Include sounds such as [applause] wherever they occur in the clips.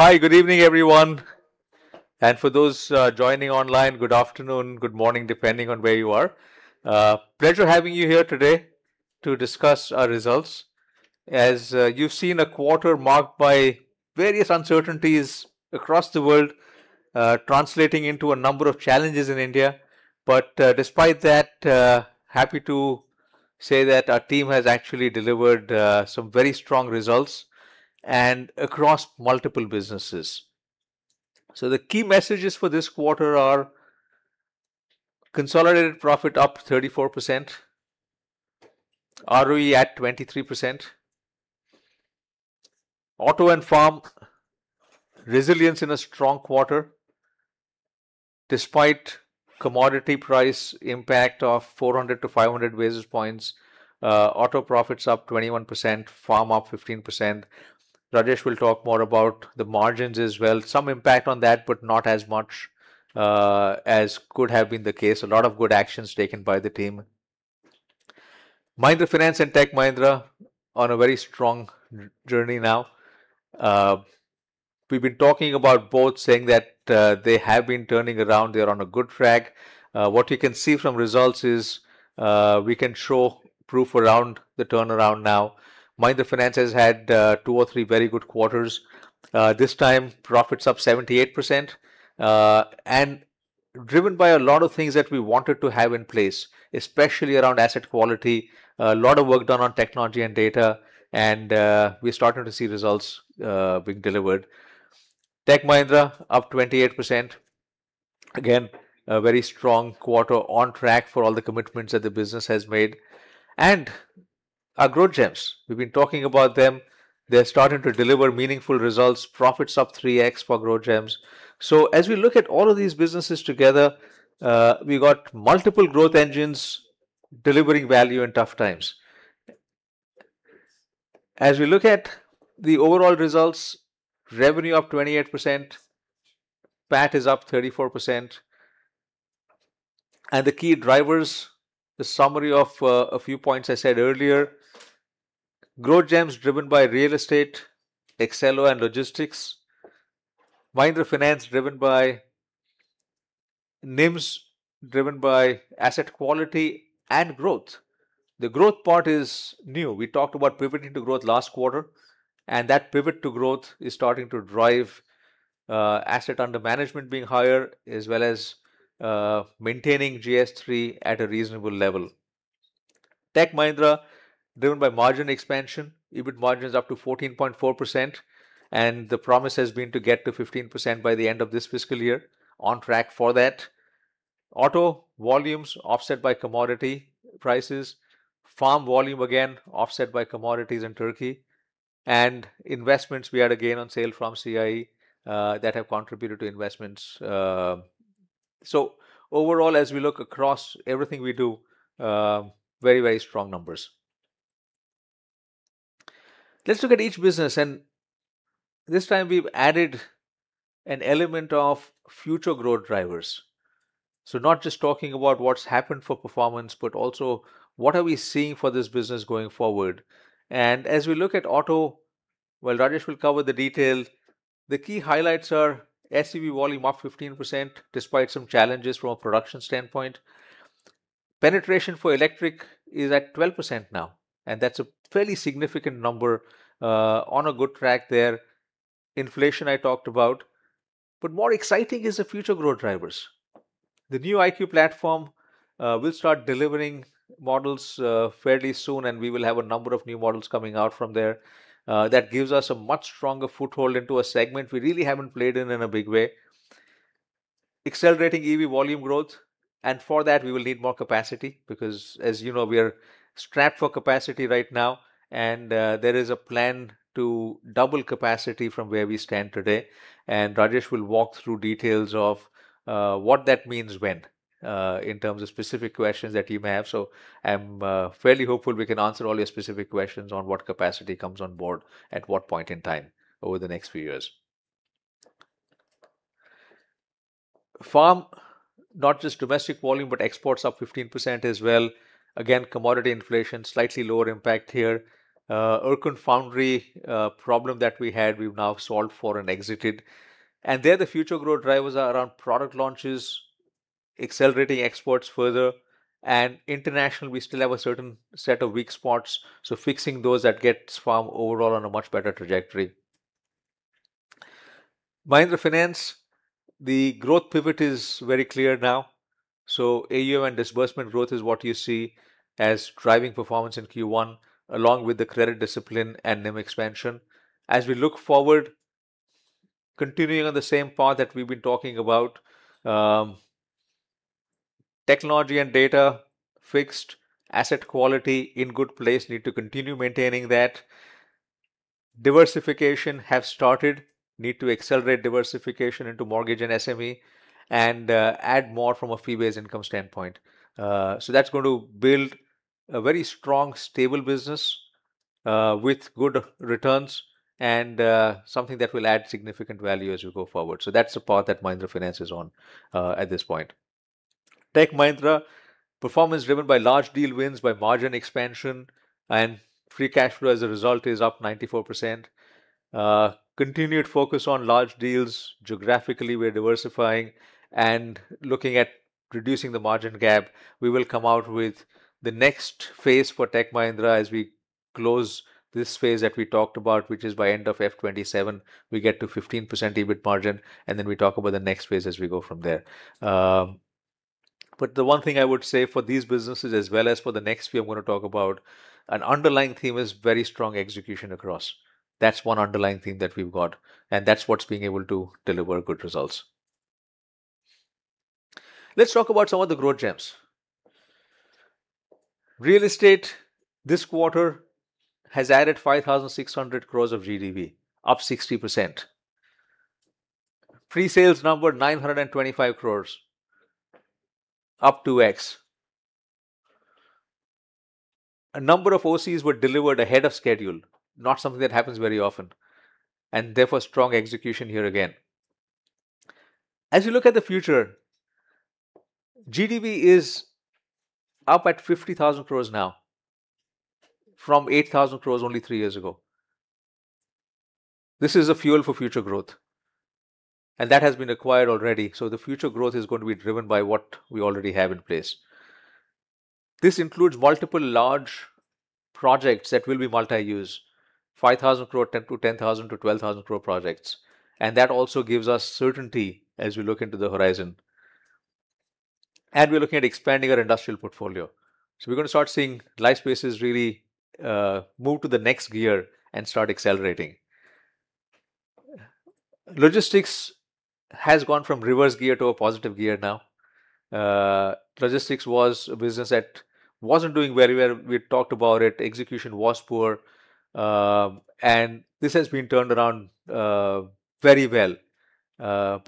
Hi, good evening, everyone. For those joining online, good afternoon, good morning, depending on where you are. Pleasure having you here today to discuss our results. As you've seen, a quarter marked by various uncertainties across the world, translating into a number of challenges in India. Despite that, happy to say that our team has actually delivered some very strong results and across multiple businesses. The key messages for this quarter are consolidated profit up 34%, ROE at 23%. Auto and Farm, resilience in a strong quarter despite commodity price impact of 400 to 500 basis points. Auto profits up 21%, Farm up 15%. Rajesh will talk more about the margins as well. Some impact on that, but not as much as could have been the case. A lot of good actions taken by the team. Mahindra Finance and Tech Mahindra on a very strong journey now. We've been talking about both saying that they have been turning around. They are on a good track. What you can see from results is, we can show proof around the turnaround now. Mahindra Finance has had two or three very good quarters. This time, profits up 78%, driven by a lot of things that we wanted to have in place, especially around asset quality, a lot of work done on technology and data, and we're starting to see results being delivered. Tech Mahindra up 28%. Again, a very strong quarter on track for all the commitments that the business has made. Our Growth Gems, we've been talking about them. They're starting to deliver meaningful results, profits up 3x for Growth Gems. As we look at all of these businesses together, we got multiple growth engines delivering value in tough times. As we look at the overall results, revenue up 28%, PAT is up 34%. The key drivers, the summary of a few points I said earlier. Growth Gems driven by real estate, Accelo, and logistics. Mahindra Finance driven by NIMS, driven by asset quality and growth. The growth part is new. We talked about pivoting to growth last quarter, and that pivot to growth is starting to drive asset under management being higher as well as maintaining GS3 at a reasonable level. Tech Mahindra, driven by margin expansion, EBIT margins up to 14.4%. The promise has been to get to 15% by the end of this fiscal year, on track for that. Auto volumes offset by commodity prices. Farm volume, again, offset by commodities in Turkey, and investments we had again on sale from CIE, that have contributed to investments. Overall, as we look across everything we do, very strong numbers. Let's look at each business. This time we've added an element of future growth drivers. Not just talking about what's happened for performance, but also what are we seeing for this business going forward. As we look at Auto, well, Rajesh will cover the detail. The key highlights are SUV volume up 15%, despite some challenges from a production standpoint. Penetration for electric is at 12% now, and that's a fairly significant number, on a good track there. Inflation, I talked about. More exciting is the future growth drivers. The new new INGLO platform, will start delivering models fairly soon, and we will have a number of new models coming out from there, that gives us a much stronger foothold into a segment we really haven't played in in a big way. Accelerating EV volume growth, for that, we will need more capacity because, as you know, we are strapped for capacity right now, there is a plan to double capacity from where we stand today. Rajesh will walk through details of what that means when, in terms of specific questions that you may have. I'm fairly hopeful we can answer all your specific questions on what capacity comes on board at what point in time over the next few years. Farm Division, not just domestic volume, but exports up 15% as well. Again, commodity inflation, slightly lower impact here. Erkunt Foundry problem that we had, we've now solved for and exited. There, the future growth drivers are around product launches, accelerating exports further. International, we still have a certain set of weak spots, so fixing those that gets Farm Division overall on a much better trajectory. Mahindra Finance, the growth pivot is very clear now. AUM and disbursement growth is what you see as driving performance in Q1, along with the credit discipline and NIM expansion. We look forward, continuing on the same path that we've been talking about, technology and data fixed, asset quality in good place, need to continue maintaining that. Diversification have started, need to accelerate diversification into mortgage and SME and add more from a fee-based income standpoint. That's going to build a very strong, stable business, with good returns and something that will add significant value as we go forward. That's the path that Mahindra Finance is on, at this point Tech Mahindra performance driven by large deal wins by margin expansion and free cash flow as a result is up 94%. Continued focus on large deals. Geographically, we're diversifying and looking at reducing the margin gap. We will come out with the next phase for Tech Mahindra as we close this phase that we talked about, which is by end of FY 2027, we get to 15% EBIT margin, then we talk about the next phase as we go from there. The one thing I would say for these businesses as well as for the next we are going to talk about, an underlying theme is very strong execution across. That's one underlying theme that we've got, that's what's being able to deliver good results. Let's talk about some of the Growth Gems. Real estate this quarter has added 5,600 crores of GDV, up 60%. Pre-sales numbered 925 crores, up 2x. A number of OCs were delivered ahead of schedule, not something that happens very often, therefore strong execution here again. You look at the future, GDV is up at 50,000 crores now from 8,000 crores only three years ago. This is a fuel for future growth, that has been acquired already. The future growth is going to be driven by what we already have in place. This includes multiple large projects that will be multi-use, 5,000 crore to 10,000 to 12,000 crore projects, that also gives us certainty as we look into the horizon. We’re looking at expanding our industrial portfolio. We’re going to start seeing Lifespaces really move to the next gear and start accelerating. Logistics has gone from reverse gear to a positive gear now. Logistics was a business that wasn’t doing very well. We had talked about it. Execution was poor. This has been turned around very well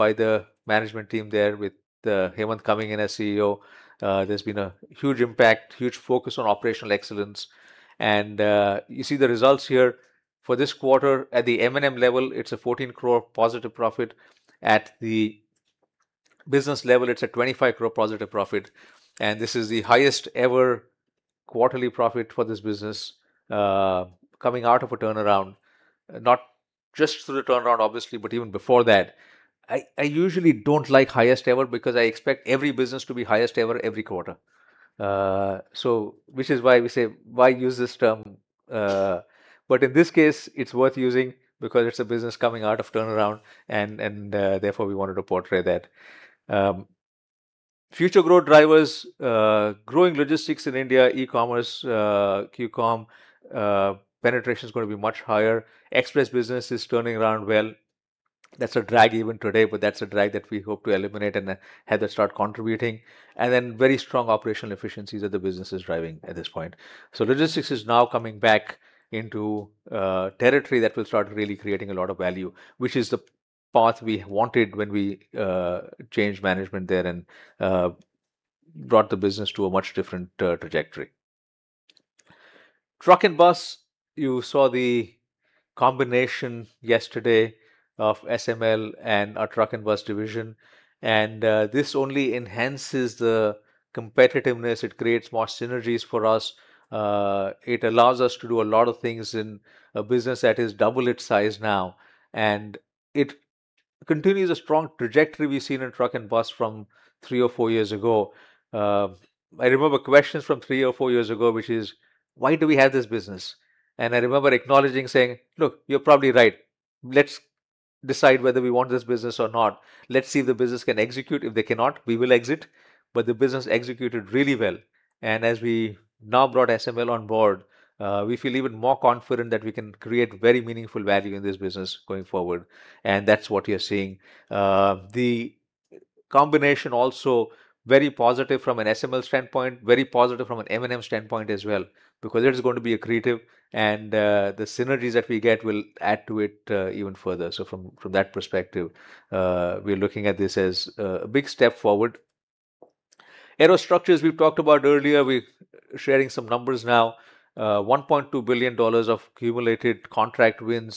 by the management team there with Hemant coming in as CEO. There’s been a huge impact, huge focus on operational excellence. You see the results here for this quarter at the M&M level, it’s a 14 crore positive profit. At the business level, it’s a 25 crore positive profit, and this is the highest-ever quarterly profit for this business, coming out of a turnaround, not just through the turnaround, obviously, but even before that. I usually don’t like highest ever because I expect every business to be highest ever every quarter. Which is why we say, why use this term? In this case, it’s worth using because it’s a business coming out of turnaround and therefore we wanted to portray that. Future growth drivers. Growing logistics in India, e-commerce, Q-commerce penetration is going to be much higher. Express business is turning around well. That’s a drag even today, but that’s a drag that we hope to eliminate and have that start contributing. Then very strong operational efficiencies that the business is driving at this point. Logistics is now coming back into territory that will start really creating a lot of value, which is the path we wanted when we changed management there and brought the business to a much different trajectory. Truck and Bus, you saw the combination yesterday of SML and our Truck and Bus Division, and this only enhances the competitiveness. It creates more synergies for us. It allows us to do a lot of things in a business that is double its size now, and it continues a strong trajectory we’ve seen in Truck and Bus from three or four years ago. I remember questions from three or four years ago, which is: Why do we have this business? I remember acknowledging, saying, look, you’re probably right. Let’s decide whether we want this business or not. Let’s see if the business can execute. If they cannot, we will exit. The business executed really well. As we now brought SML on board, we feel even more confident that we can create very meaningful value in this business going forward. That’s what we are seeing. The combination also very positive from an SML standpoint, very positive from an M&M standpoint as well, because it is going to be accretive and the synergies that we get will add to it even further. From that perspective, we’re looking at this as a big step forward. Aerostructures we’ve talked about earlier. We’re sharing some numbers now. $1.2 billion of cumulative contract wins.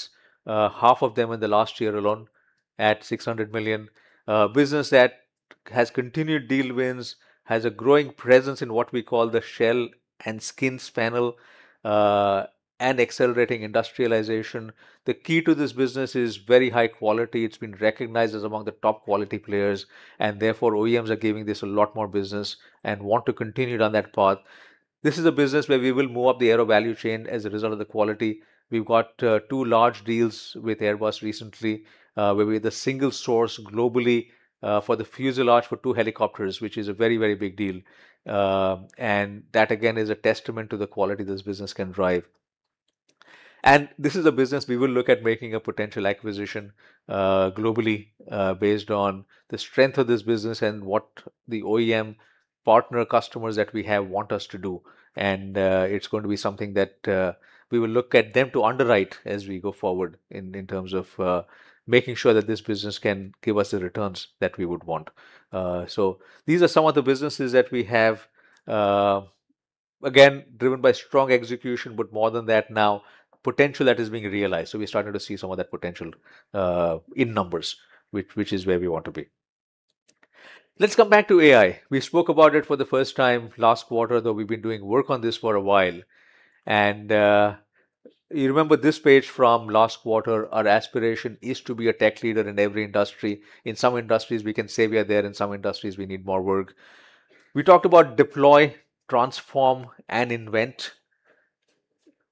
Half of them in the last year alone at $600 million. Business that has continued deal wins, has a growing presence in what we call the shell and skins panel, and accelerating industrialization. The key to this business is very high quality. It’s been recognized as among the top quality players and therefore OEMs are giving this a lot more business and want to continue down that path. This is a business where we will move up the aero value chain as a result of the quality. We’ve got two large deals with Airbus recently, where we’re the single source globally for the fuselage for two helicopters, which is a very, very big deal. That again, is a testament to the quality this business can drive. This is a business we will look at making a potential acquisition globally, based on the strength of this business and what the OEM partner customers that we have want us to do. It’s going to be something that we will look at them to underwrite as we go forward in terms of making sure that this business can give us the returns that we would want. These are some of the businesses that we have. Driven by strong execution, but more than that now, potential that is being realized. We're starting to see some of that potential in numbers, which is where we want to be. Let's come back to AI. We spoke about it for the first time last quarter, though we've been doing work on this for a while. You remember this page from last quarter, our aspiration is to be a tech leader in every industry. In some industries, we can say we are there. In some industries, we need more work. We talked about deploy, transform, and invent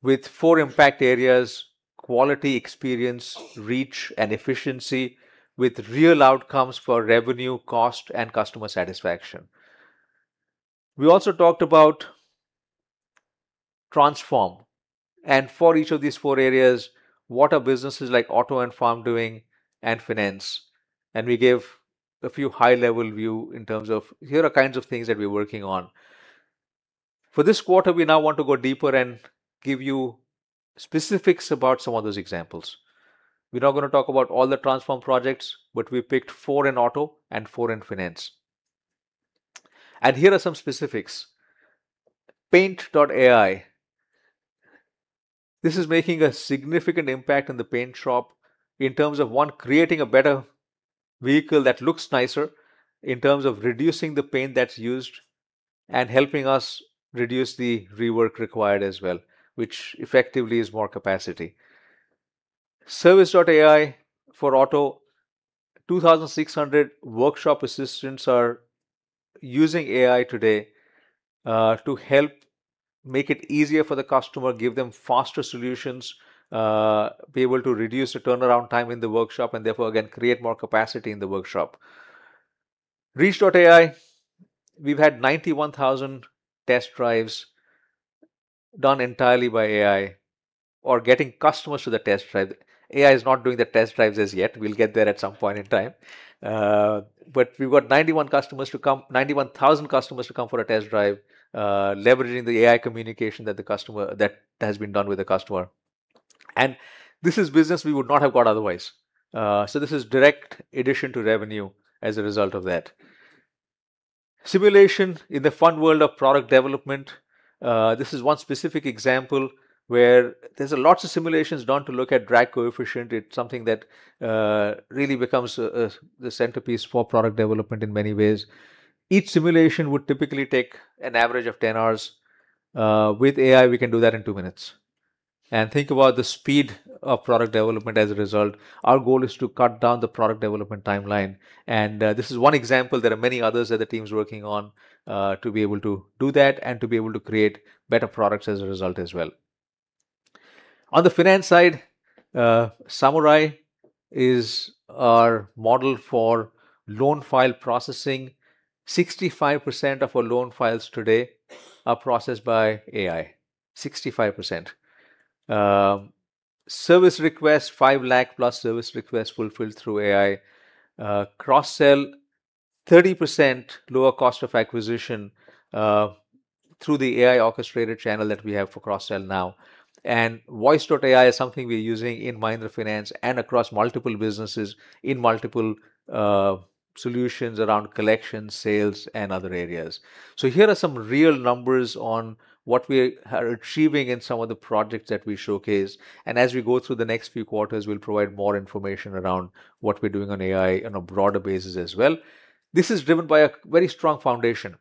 with four impact areas: quality, experience, reach, and efficiency, with real outcomes for revenue, cost, and customer satisfaction. We also talked about transform. For each of these four areas, what are businesses like auto and Farm doing, and finance? We gave a few high level view in terms of here are kinds of things that we're working on. For this quarter, we now want to go deeper and give you specifics about some of those examples. We're not going to talk about all the transform projects, but we picked four in auto and four in finance. Here are some specifics. Paint.ai. This is making a significant impact in the paint shop in terms of, one, creating a better vehicle that looks nicer, in terms of reducing the paint that's used, and helping us reduce the rework required as well, which effectively is more capacity. Service.ai for auto. 2,600 workshop assistants are using AI today to help make it easier for the customer, give them faster solutions, be able to reduce the turnaround time in the workshop, and therefore, again, create more capacity in the workshop. Reach.ai. We've had 91,000 test drives done entirely by AI or getting customers to the test drive. AI is not doing the test drives as yet. We'll get there at some point in time. We've got 91,000 customers to come for a test drive, leveraging the AI communication that has been done with the customer. This is business we would not have got otherwise. This is direct addition to revenue as a result of that. Simulation in the fun world of product development. This is one specific example where there's a lots of simulations done to look at drag coefficient. It's something that really becomes the centerpiece for product development in many ways. Each simulation would typically take an average of 10 hours. With AI, we can do that in two minutes. Think about the speed of product development as a result. Our goal is to cut down the product development timeline. This is one example. There are many others that the team's working on to be able to do that and to be able to create better products as a result as well. On the finance side, Samura.ai is our model for loan file processing. 65% of our loan files today are processed by AI. 65%. Service requests, 500,000-plus service requests fulfilled through AI. Cross-sell, 30% lower cost of acquisition through the AI orchestrated channel that we have for cross-sell now. Voice.ai is something we're using in Mahindra Finance and across multiple businesses in multiple solutions around collections, sales, and other areas. Here are some real numbers on what we are achieving in some of the projects that we showcased. As we go through the next few quarters, we'll provide more information around what we're doing on AI on a broader basis as well. This is driven by a very strong foundation.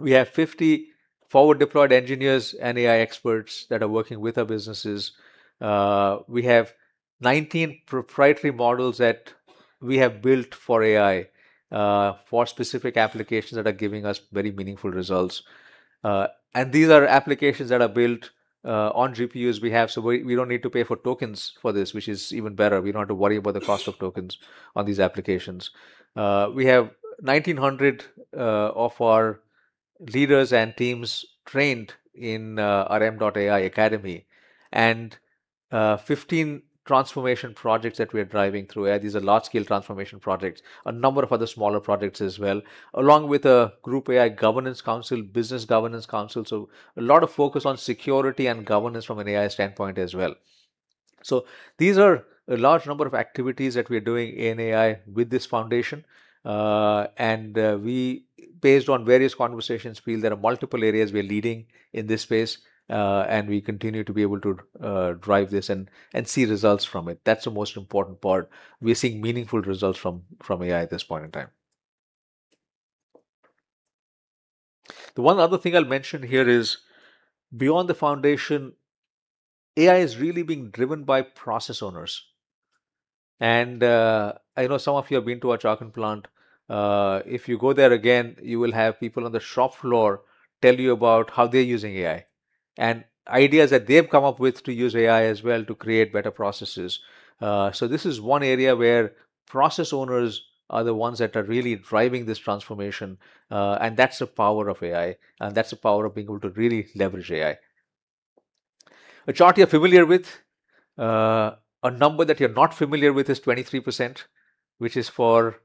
We have 50 forward deployed engineers and AI experts that are working with our businesses. We have 19 proprietary models that we have built for AI, for specific applications that are giving us very meaningful results. These are applications that are built on GPUs we have, so we don't need to pay for tokens for this, which is even better. We don't have to worry about the cost of tokens on these applications. We have 1,900 of our leaders and teams trained in m.AI Academy, and 15 transformation projects that we are driving through AI. These are large scale transformation projects. A number of other smaller projects as well, along with a group AI governance council, business governance council. A lot of focus on security and governance from an AI standpoint as well. These are a large number of activities that we are doing in AI with this foundation. We, based on various conversations, feel there are multiple areas we are leading in this space, and we continue to be able to drive this and see results from it. That's the most important part. We are seeing meaningful results from AI at this point in time. The one other thing I'll mention here is, beyond the foundation, AI is really being driven by process owners. I know some of you have been to our Chakan plant. If you go there again, you will have people on the shop floor tell you about how they're using AI and ideas that they've come up with to use AI as well to create better processes. This is one area where process owners are the ones that are really driving this transformation, and that's the power of AI, and that's the power of being able to really leverage AI. A chart you're familiar with. A number that you're not familiar with is 23%, which is for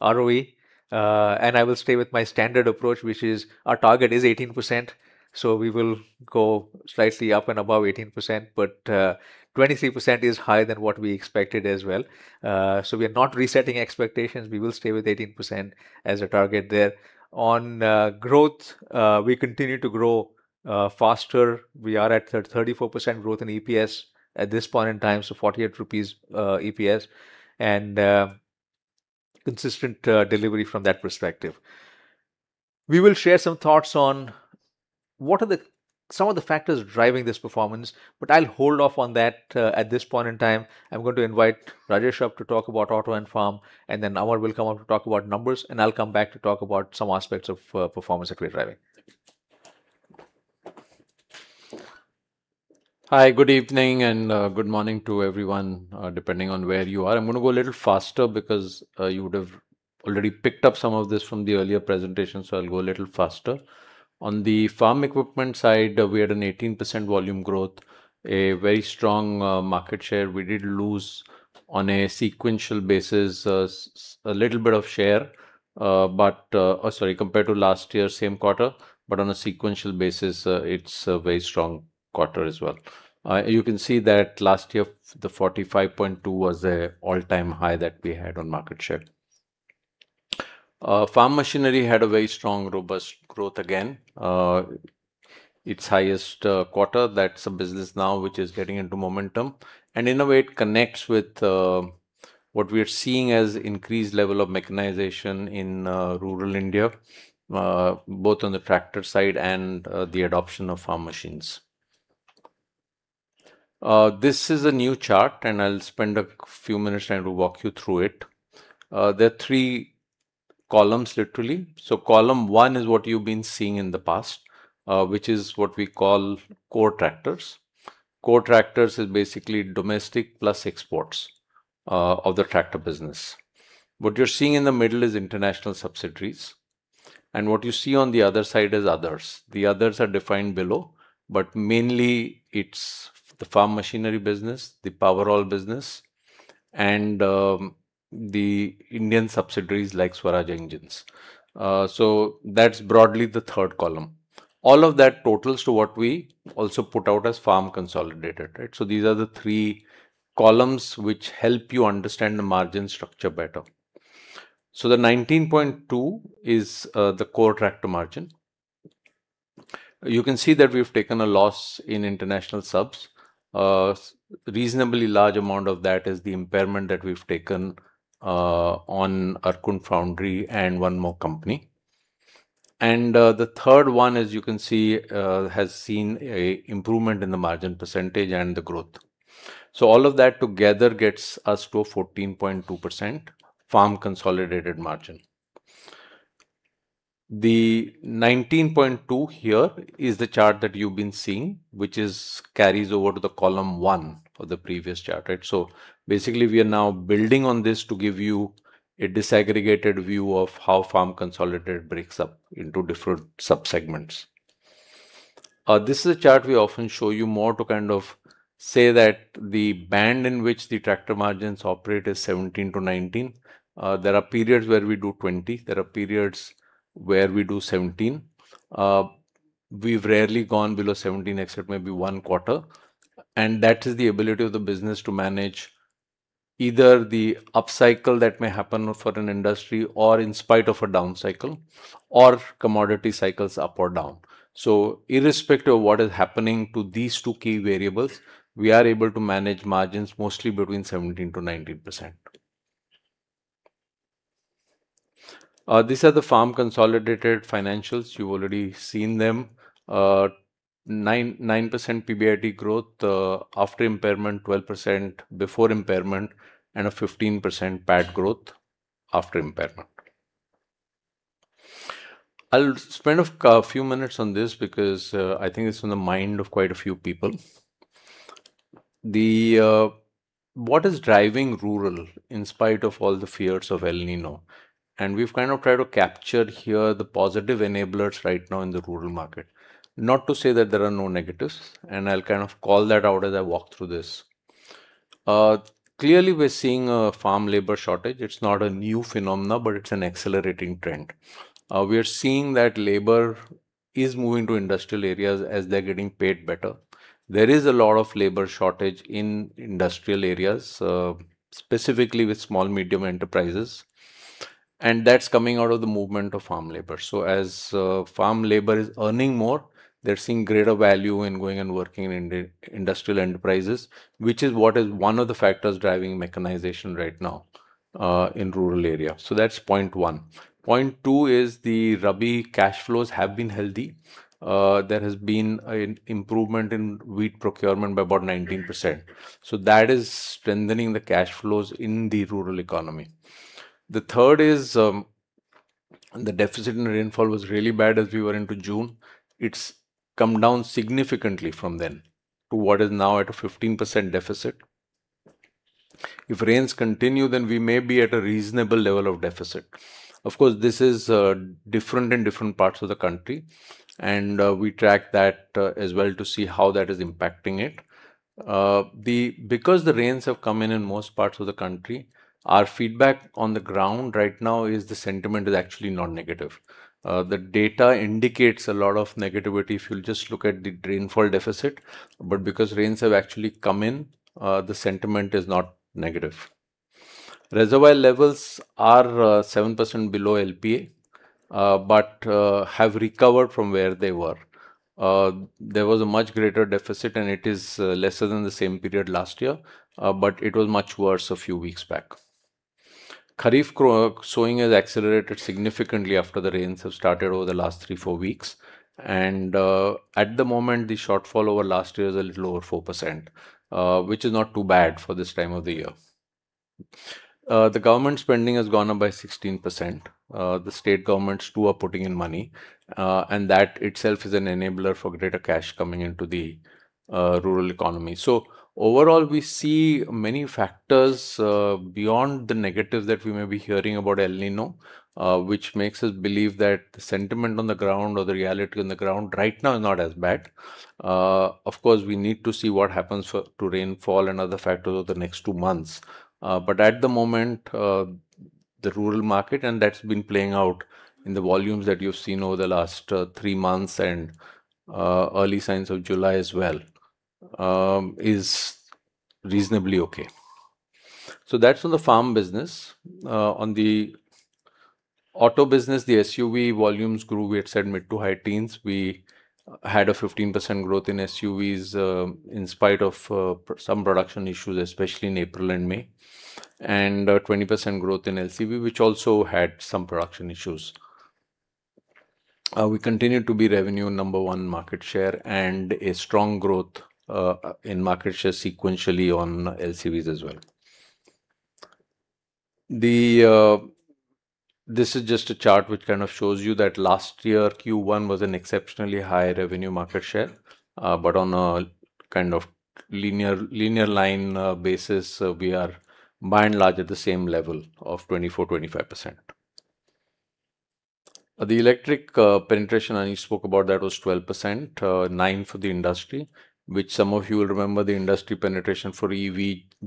ROE. I will stay with my standard approach, which is our target is 18%, so we will go slightly up and above 18%, but 23% is higher than what we expected as well. We are not resetting expectations. We will stay with 18% as a target there. On growth, we continue to grow faster. We are at 34% growth in EPS at this point in time. 48 rupees EPS, and consistent delivery from that perspective. We will share some thoughts on some of the factors driving this performance, but I'll hold off on that at this point in time. I'm going to invite Rajesh up to talk about auto and Farm, and then Amar will come up to talk about numbers, and I'll come back to talk about some aspects of performance equity driving. Hi. Good evening and good morning to everyone, depending on where you are. I'm going to go a little faster because you would have already picked up some of this from the earlier presentation. I'll go a little faster. On the farm equipment side, we had an 18% volume growth, a very strong market share. We did lose on a sequential basis, a little bit of share. Sorry, compared to last year, same quarter. On a sequential basis, it's a very strong quarter as well. You can see that last year, the 45.2 was an all-time high that we had on market share. Farm machinery had a very strong, robust growth again. Its highest quarter. That's a business now which is getting into momentum and in a way connects with what we are seeing as increased level of mechanization in rural India, both on the tractor side and the adoption of farm machines. This is a new chart. I'll spend a few minutes trying to walk you through it. There are three columns, literally. Column one is what you've been seeing in the past, which is what we call core tractors. Core tractors is basically domestic plus exports of the tractor business. What you're seeing in the middle is international subsidiaries. What you see on the other side is others. The others are defined below. Mainly, it's the farm machinery business, the Powerol business, and the Indian subsidiaries like Swaraj Engines. That's broadly the third column. All of that totals to what we also put out as farm consolidated. These are the three columns which help you understand the margin structure better. The 19.2 is the core tractor margin. You can see that we've taken a loss in international subs. A reasonably large amount of that is the impairment that we've taken on Erkunt Foundry and one more company. The third one, as you can see, has seen an improvement in the margin percentage and the growth. All of that together gets us to a 14.2% farm consolidated margin. The 19.2 here is the chart that you've been seeing, which carries over to the column one for the previous chart. Basically we are now building on this to give you a disaggregated view of how farm consolidated breaks up into different subsegments. This is a chart we often show you more to kind of say that the band in which the tractor margins operate is 17%-19%. There are periods where we do 20%, there are periods where we do 17%. We've rarely gone below 17%, except maybe one quarter. That is the ability of the business to manage either the upcycle that may happen for an industry or in spite of a down cycle or commodity cycles up or down. Irrespective of what is happening to these two key variables, we are able to manage margins mostly between 17%-19%. These are the farm consolidated financials. You've already seen them. 9% PBIT growth, after impairment, 12% before impairment, and a 15% PAT growth after impairment. I'll spend a few minutes on this because I think it's on the mind of quite a few people. What is driving rural in spite of all the fears of El Niño? We've kind of tried to capture here the positive enablers right now in the rural market. Not to say that there are no negatives, I'll kind of call that out as I walk through this. Clearly, we're seeing a Farm labor shortage. It's not a new phenomenon, but it's an accelerating trend. We are seeing that labor is moving to industrial areas as they're getting paid better. There is a lot of labor shortage in industrial areas, specifically with small-medium enterprises, that's coming out of the movement of Farm labor. As Farm labor is earning more, they're seeing greater value in going and working in industrial enterprises, which is what is one of the factors driving mechanization right now in rural area. That's point one. Point two is the rabi cash flows have been healthy. There has been an improvement in wheat procurement by about 19%. That is strengthening the cash flows in the rural economy. The third is the deficit in rainfall was really bad as we were into June. It's come down significantly from then to what is now at a 15% deficit. If rains continue, then we may be at a reasonable level of deficit. Of course, this is different in different parts of the country, and we track that as well to see how that is impacting it. The rains have come in in most parts of the country, our feedback on the ground right now is the sentiment is actually not negative. The data indicates a lot of negativity if you'll just look at the rainfall deficit. Because rains have actually come in, the sentiment is not negative. Reservoir levels are 7% below LPA, but have recovered from where they were. There was a much greater deficit, it is lesser than the same period last year, but it was much worse a few weeks back. Kharif sowing has accelerated significantly after the rains have started over the last three, four weeks. At the moment, the shortfall over last year is a little over 4%, which is not too bad for this time of the year. The government spending has gone up by 16%. The state governments too are putting in money, that itself is an enabler for greater cash coming into the rural economy. Overall, we see many factors beyond the negatives that we may be hearing about El Niño, which makes us believe that the sentiment on the ground or the reality on the ground right now is not as bad. Of course, we need to see what happens to rainfall and other factors over the next two months. At the moment, the rural market, that's been playing out in the volumes that you've seen over the last three months and early signs of July as well, is reasonably okay. That's on the Farm business. On the auto business, the SUV volumes grew, we had said mid to high teens. We had a 15% growth in SUVs in spite of some production issues, especially in April and May. 20% growth in LCV, which also had some production issues. We continue to be revenue number one market share and a strong growth, in market share sequentially on LCVs as well. This is just a chart which kind of shows you that last year, Q1 was an exceptionally high revenue market share. On a kind of linear line basis, we are by and large at the same level of 24, 25%. The electric penetration Anish spoke about, that was 12%, nine for the industry, which some of you will remember the industry penetration for EV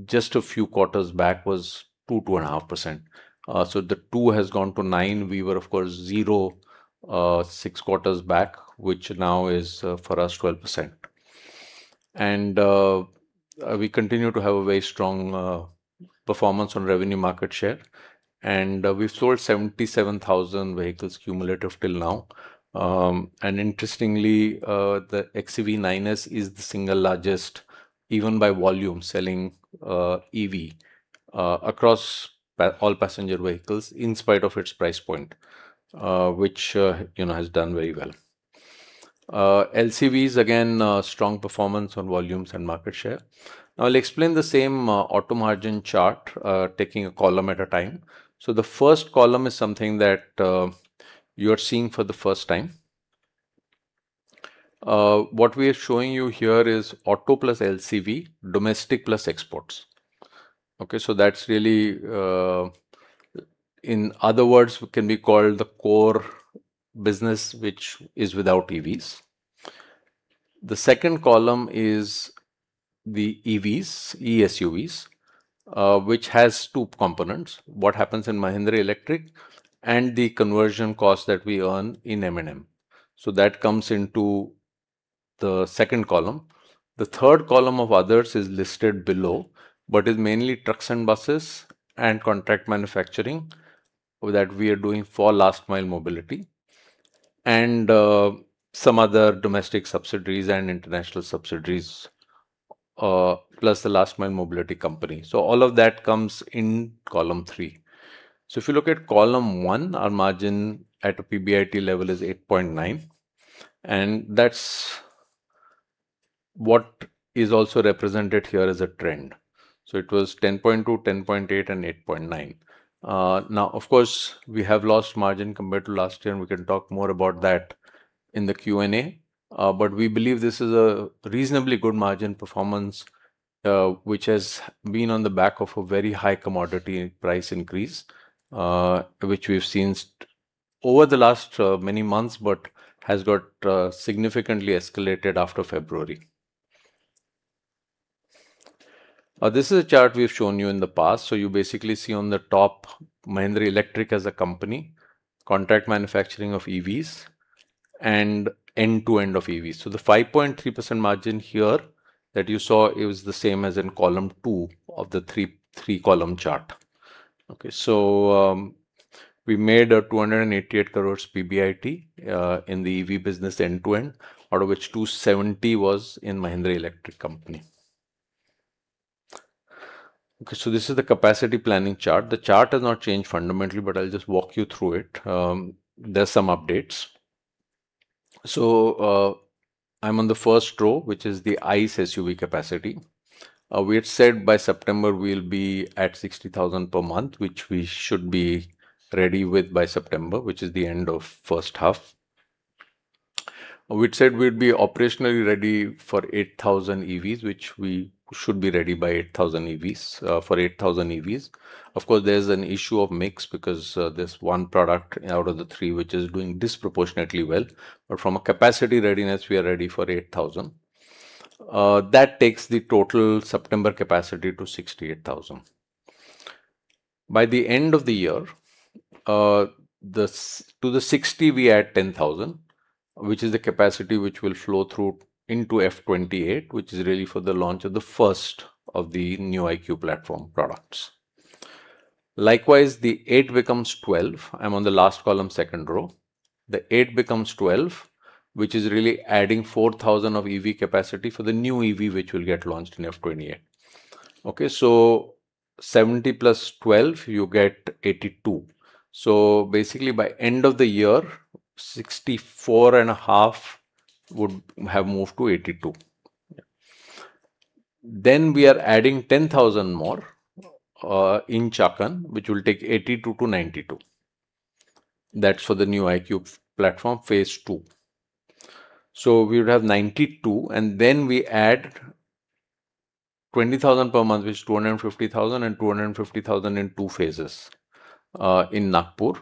just a few quarters back was 2.5%. The two has gone to nine. We were, of course, zero, six quarters back, which now is for us, 12%. We continue to have a very strong performance on revenue market share. We've sold 77,000 vehicles cumulative till now. Interestingly, the XUV400 is the single largest, even by volume, selling EV across all passenger vehicles in spite of its price point, which has done very well. LCVs, again, strong performance on volumes and market share. Now I'll explain the same auto margin chart, taking a column at a time. The first column is something that you are seeing for the first time. What we are showing you here is auto plus LCV, domestic plus exports. Okay, so that's really, in other words, can be called the core business, which is without EVs. The second column is the EVs, e-SUVs, which has two components, what happens in Mahindra Electric and the conversion cost that we earn in M&M. That comes into the second column. The third column of others is listed below, but is mainly trucks and buses and contract manufacturing that we are doing for Mahindra Last Mile Mobility and some other domestic subsidiaries and international subsidiaries, plus the Mahindra Last Mile Mobility company. If you look at column one, our margin at a PBIT level is 8.9, and that's what is also represented here as a trend. It was 10.2, 10.8, and 8.9. Now, of course, we have lost margin compared to last year, and we can talk more about that in the Q&A. We believe this is a reasonably good margin performance, which has been on the back of a very high commodity price increase, which we've seen over the last many months but has got significantly escalated after February. This is a chart we've shown you in the past. You basically see on the top, Mahindra Electric as a company, contract manufacturing of EVs and end-to-end of EVs. The 5.3% margin here that you saw it was the same as in column two of the three-column chart. Okay, so we made a 288 crores PBIT, in the EV business end to end, out of which 270 crores was in Mahindra Electric company. Okay, so this is the capacity planning chart. The chart has not changed fundamentally, I'll just walk you through it. There's some updates. I'm on the first row, which is the ICE SUV capacity. We had said by September, we'll be at 60,000 per month, which we should be ready with by September, which is the end of first half. We'd said we'd be operationally ready for 8,000 EVs, which we should be ready for 8,000 EVs. Of course, there's an issue of mix because there's one product out of the three which is doing disproportionately well. From a capacity readiness, we are ready for 8,000. That takes the total September capacity to 68,000. By the end of the year to the 60, we add 10,000, which is the capacity which will flow through into FY 2028, which is really for the launch of the first of the new INGLO platform products. Likewise, the eight becomes 12. I'm on the last column, second row. The eight becomes 12, which is really adding 4,000 of EV capacity for the new EV, which will get launched in FY 2028. 70 plus 12, you get 82. By end of the year, 64 and a half would have moved to 82. We are adding 10,000 more in Chakan, which will take 82 to 92. That's for the new INGLO platform phase II. We would have 92, and then we add 20,000 per month, which is 250,000 and 250,000 in two phases in Nagpur.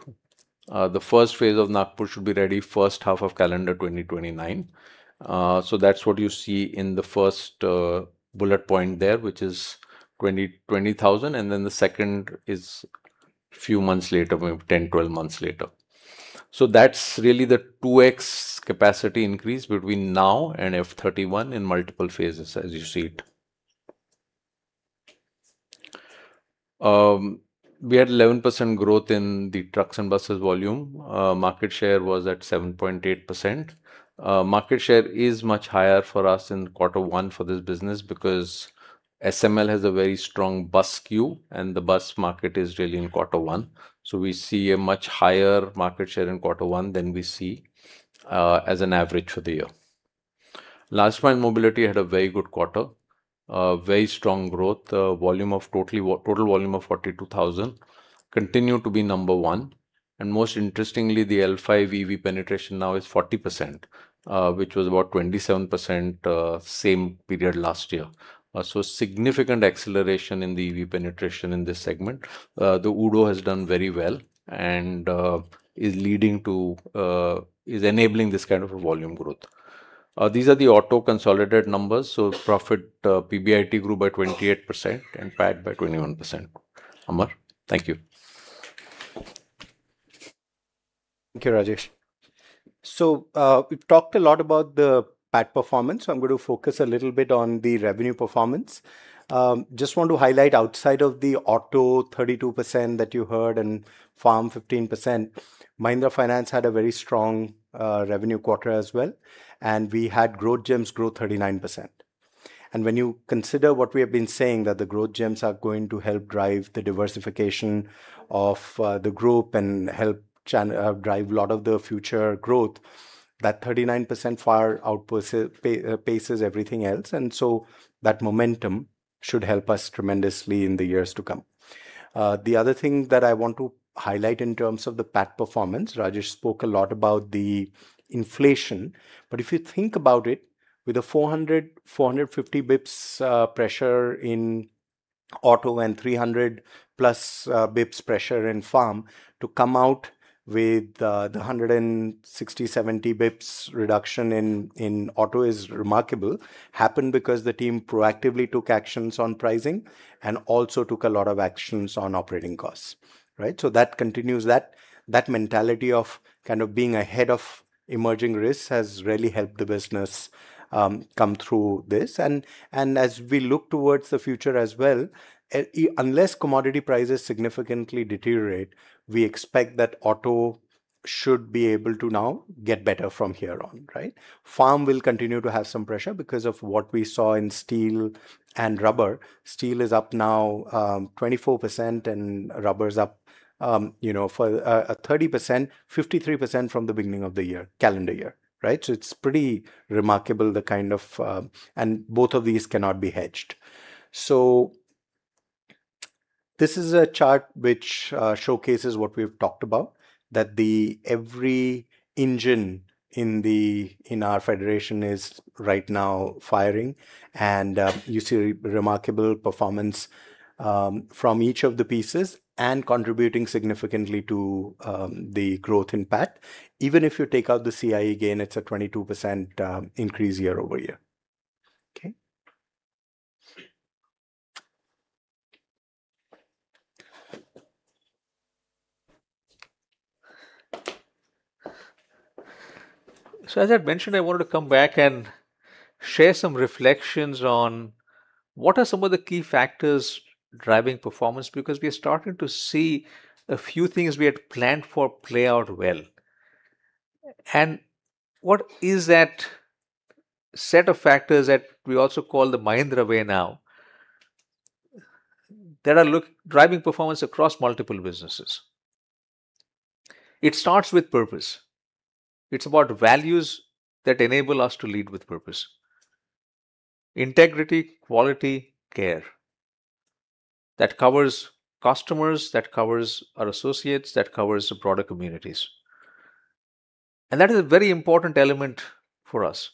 The first phase of Nagpur should be ready first half of calendar 2029. That's what you see in the first bullet point there, which is 20,000, and then the second is few months later, maybe 10, 12 months later. That's really the 2x capacity increase between now and FY 2031 in multiple phases, as you see it. We had 11% growth in the trucks and buses volume. Market share was at 7.8%. Market share is much higher for us in Q1 for this business because SML Mahindra has a very strong bus SKU, and the bus market is really in Q1. We see a much higher market share in Q1 than we see as an average for the year. Mahindra Last Mile Mobility had a very good quarter. Very strong growth. Total volume of 42,000. Continued to be number one. Most interestingly, the L5EV penetration now is 40%, which was about 27% same period last year. Significant acceleration in the EV penetration in this segment. The Uvs has done very well and is enabling this kind of a volume growth. These are the auto consolidated numbers. Profit PBIT grew by 28% and PAT by 21%. Amar, thank you. Thank you, Rajesh. We've talked a lot about the PAT performance, I'm going to focus a little bit on the revenue performance. Just want to highlight outside of the auto 32% that you heard and Farm 15%, Mahindra & Mahindra Financial Services Limited had a very strong revenue quarter as well, and we had Growth Gems grow 39%. When you consider what we have been saying, that the Growth Gems are going to help drive the diversification of the group and help drive a lot of the future growth, that 39% far outpaces everything else. That momentum should help us tremendously in the years to come. The other thing that I want to highlight in terms of the PAT performance, Rajesh spoke a lot about the inflation, but if you think about it, with a 400-450 basis points pressure in Auto and 300-plus basis points pressure in Farm, to come out with the 160-170 basis points reduction in Auto is remarkable. It happened because the team proactively took actions on pricing and also took a lot of actions on operating costs. Right. That continues. That mentality of kind of being ahead of emerging risks has really helped the business come through this. As we look towards the future as well, unless commodity prices significantly deteriorate, we expect that Auto should be able to now get better from here on, right? Farm will continue to have some pressure because of what we saw in steel and rubber. Steel is up now 24% and rubber is up 30%, 53% from the beginning of the calendar year. Right. It's pretty remarkable. Both of these cannot be hedged. This is a chart which showcases what we've talked about, that every engine in our federation is right now firing. You see remarkable performance from each of the pieces and contributing significantly to the growth in PAT. Even if you take out the CIE gain, it's a 22% increase year-over-year. Okay. As I mentioned, I wanted to come back and share some reflections on what are some of the key factors driving performance, because we are starting to see a few things we had planned for play out well. What is that set of factors that we also call The Mahindra Way now, that are driving performance across multiple businesses? It starts with purpose. It's about values that enable us to lead with purpose. Integrity, quality, care. That covers customers, that covers our associates, that covers the broader communities. That is a very important element for us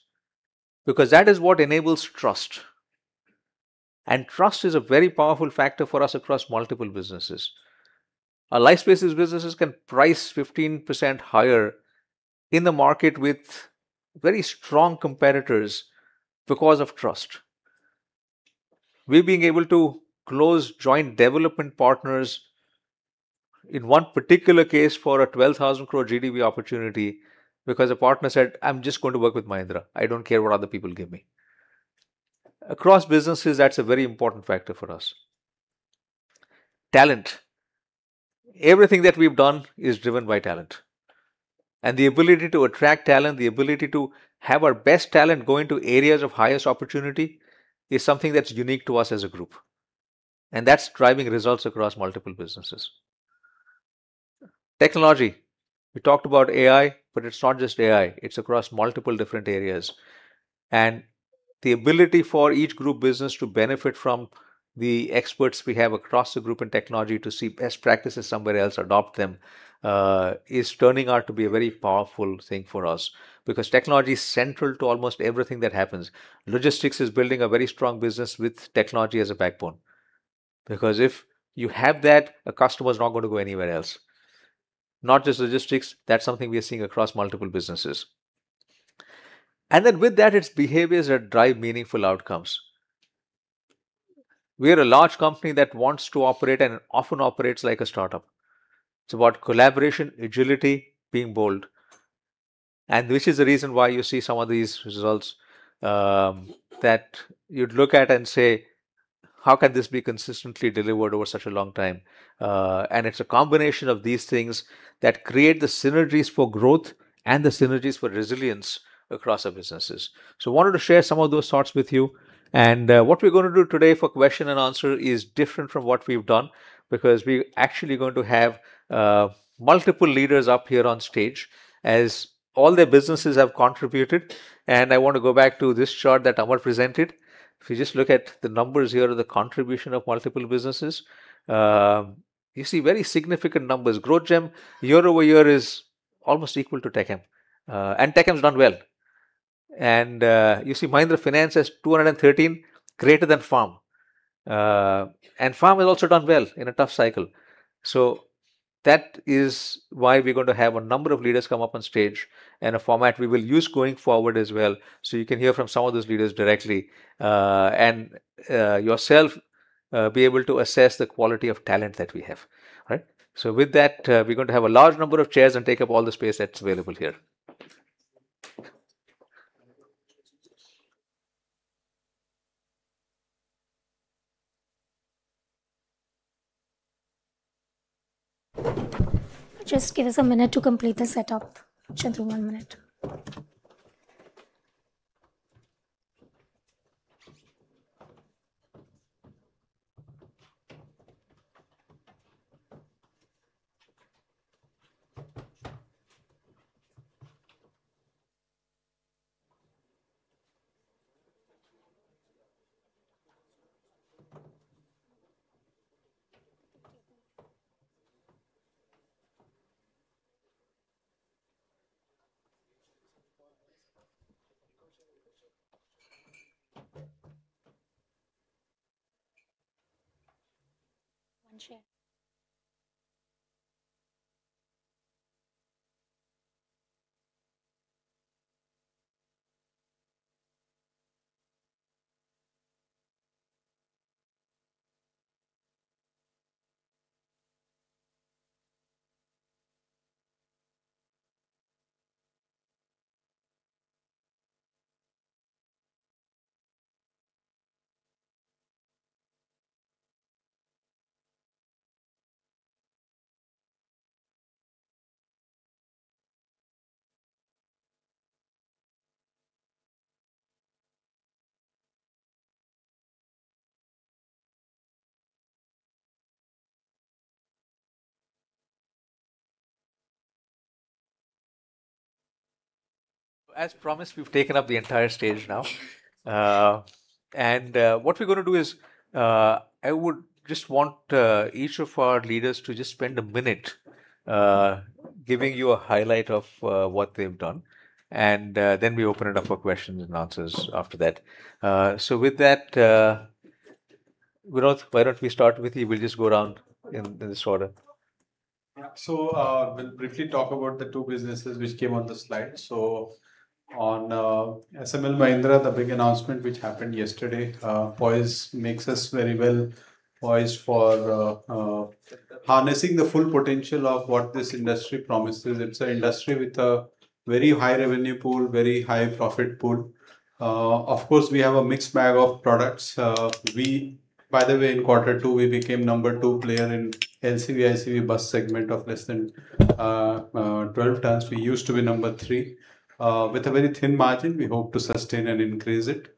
because that is what enables trust. Trust is a very powerful factor for us across multiple businesses. Our Lifespaces businesses can price 15% higher in the market with very strong competitors because of trust. We're being able to close joint development partners in one particular case for a 12,000 crore GDV opportunity because a partner said, I'm just going to work with Mahindra. I don't care what other people give me. Across businesses, that's a very important factor for us. Talent. Everything that we've done is driven by talent, the ability to attract talent, the ability to have our best talent go into areas of highest opportunity is something that's unique to us as a group, that's driving results across multiple businesses. Technology. We talked about AI, but it's not just AI, it's across multiple different areas, and the ability for each group business to benefit from the experts we have across the group in technology to see best practices somewhere else, adopt them, is turning out to be a very powerful thing for us because technology is central to almost everything that happens. Logistics is building a very strong business with technology as a backbone. If you have that, a customer is not going to go anywhere else. Not just logistics. That's something we are seeing across multiple businesses. With that, it's behaviors that drive meaningful outcomes. We are a large company that wants to operate and often operates like a startup. It's about collaboration, agility, being bold, and which is the reason why you see some of these results, that you'd look at and say, how can this be consistently delivered over such a long time? It's a combination of these things that create the synergies for growth and the synergies for resilience across our businesses. Wanted to share some of those thoughts with you. What we're gonna do today for question and answer is different from what we've done because we actually going to have multiple leaders up here on stage as all their businesses have contributed. I want to go back to this chart that Amar presented. If you just look at the numbers here, the contribution of multiple businesses. You see very significant numbers. Growth Gems year-over-year is almost equal to TechM, and TechM's done well. You see Mahindra Finance has 213 greater than Farm. Farm has also done well in a tough cycle. That is why we are going to have a number of leaders come up on stage in a format we will use going forward as well, so you can hear from some of those leaders directly, and yourself, be able to assess the quality of talent that we have. Right? With that, we're going to have a large number of chairs and take up all the space that's available here. Just give us a minute to complete the setup. Just one minute. One chair. As promised, we've taken up the entire stage now. What we're going to do is, I would just want each of our leaders to just spend a minute giving you a highlight of what they've done and then we open it up for questions and answers after that. With that, Vinod, why don't we start with you? We'll just go around in this order. We'll briefly talk about the two businesses which came on the slide. On SML Mahindra, the big announcement which happened yesterday, makes us very well poised for harnessing the full potential of what this industry promises. It's an industry with a very high revenue pool, very high profit pool. Of course, we have a mixed bag of products. By the way, in quarter two, we became number two player in LCV, ICV bus segment of less than 12 tons. We used to be number three, with a very thin margin. We hope to sustain and increase it.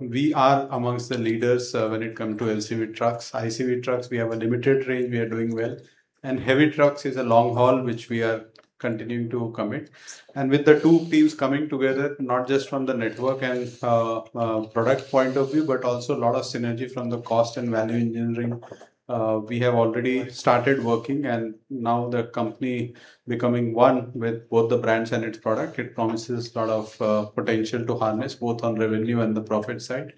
We are amongst the leaders, when it comes to LCV trucks, ICV trucks. We have a limited range. We are doing well. Heavy trucks is a long haul, which we are continuing to commit. With the two teams coming together, not just from the network and product point of view, but also a lot of synergy from the cost and value engineering. We have already started working. Now the company becoming one with both the brands and its product, it promises a lot of potential to harness, both on revenue and the profit side.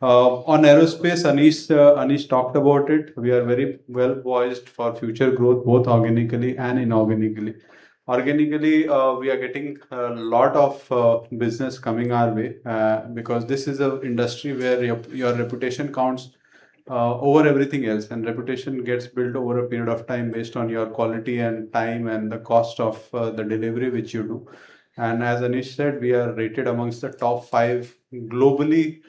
On aerospace, Anish talked about it. We are very well poised for future growth, both organically and inorganically. Organically, we are getting a lot of business coming our way, because this is an industry where your reputation counts over everything else. Reputation gets built over a period of time based on your quality and time, and the cost of the delivery which you do. As Anish said, we are rated amongst the top five globally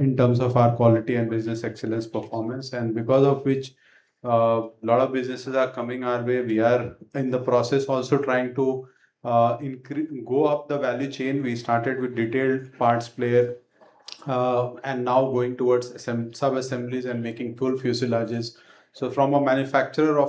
in terms of our quality and business excellence performance. Because of which, a lot of businesses are coming our way. We are in the process also trying to go up the value chain. We started with detailed parts player. Now going towards sub-assemblies and making full fuselages. From a manufacturer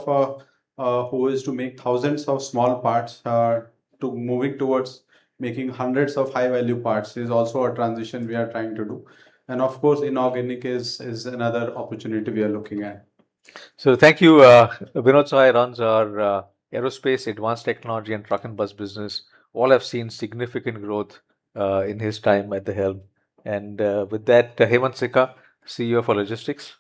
who is to make thousands of small parts, to moving towards making hundreds of high-value parts is also a transition we are trying to do. Of course, inorganic is another opportunity we are looking at. Thank you. Vinod Sahay runs our Aerospace, Advanced Technology, and Truck and Bus Business. All have seen significant growth in his time at the helm. With that, Hemant Sikka, CEO for Logistics.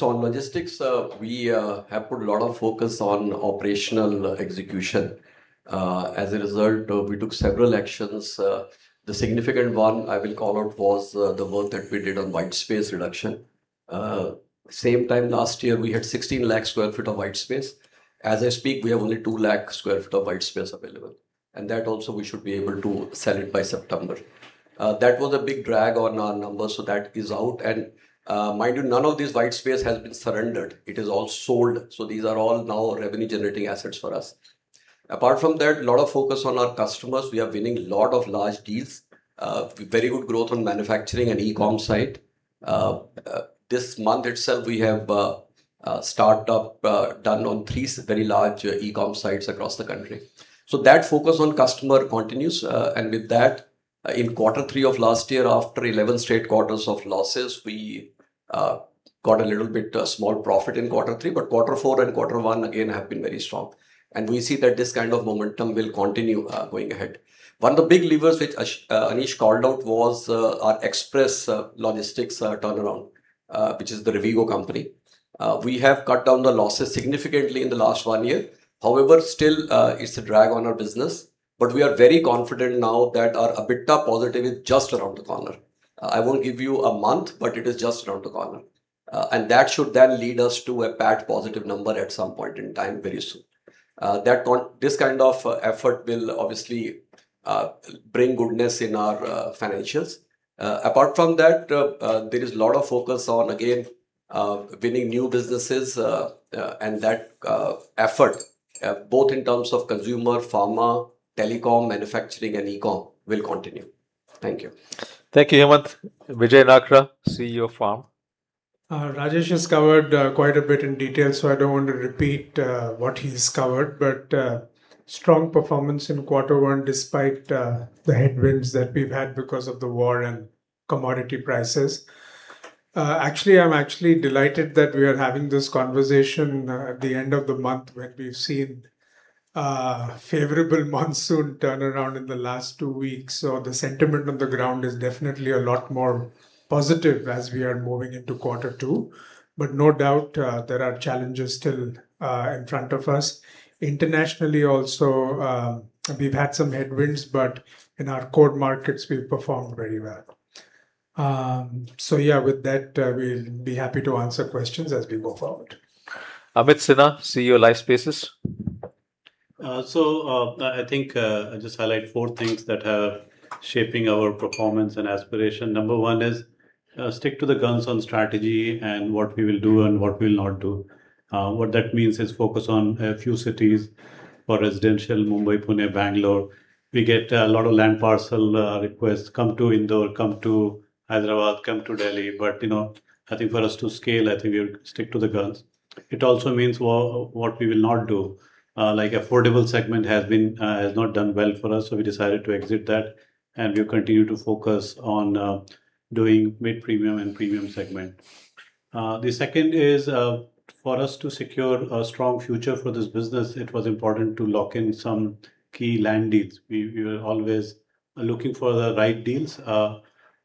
On Logistics, we have put a lot of focus on operational execution. As a result, we took several actions. The significant one I will call out was the work that we did on white space reduction. Same time last year, we had 16 lakh sq ft of white space. As I speak, we have only two lakh sq ft of white space available. That also, we should be able to sell it by September. That was a big drag on our numbers, so that is out. Mind you, none of this white space has been surrendered. It is all sold. These are all now revenue-generating assets for us. Apart from that, a lot of focus on our customers. We are winning a lot of large deals. Very good growth on manufacturing and e-com side. This month itself, we have startup done on three very large e-com sites across the country. That focus on customer continues. With that, in quarter three of last year, after 11 straight quarters of losses, we got a little bit small profit in quarter three. Quarter four and quarter one, again, have been very strong. We see that this kind of momentum will continue going ahead. One of the big levers which Anish called out was our express logistics turnaround, which is the Rivigo company. We have cut down the losses significantly in the last one year. However, still it's a drag on our business, but we are very confident now that our EBITDA positive is just around the corner. I won't give you a month, but it is just around the corner. That should then lead us to a PAT positive number at some point in time very soon. This kind of effort will obviously bring goodness in our financials. Apart from that, there is a lot of focus on, again, winning new businesses. That effort, both in terms of consumer, pharma, telecom, manufacturing, and e-com, will continue. Thank you. Thank you, Hemant. Veejay Nakra, CEO of Farm. Rajesh has covered quite a bit in detail, I don't want to repeat what he's covered. Strong performance in quarter one, despite the headwinds that we've had because of the war and commodity prices. Actually, I'm actually delighted that we are having this conversation at the end of the month when we've seen a favorable monsoon turnaround in the last two weeks. The sentiment on the ground is definitely a lot more positive as we are moving into quarter two. No doubt, there are challenges still in front of us. Internationally also, we've had some headwinds, but in our core markets, we've performed very well. With that, we'll be happy to answer questions as we go forward. Amit Sinha, CEO, Lifespaces. I think I'll just highlight four things that are shaping our performance and aspiration. Number one is stick to the guns on strategy and what we will do and what we will not do. What that means is focus on a few cities for residential, Mumbai, Pune, Bangalore. We get a lot of land parcel requests, come to Indore, come to Hyderabad, come to Delhi. I think for us to scale, I think we'll stick to the guns. It also means what we will not do. Like affordable segment has not done well for us, we decided to exit that, and we'll continue to focus on doing mid-premium and premium segment. The second is for us to secure a strong future for this business, it was important to lock in some key land deals. We were always looking for the right deals.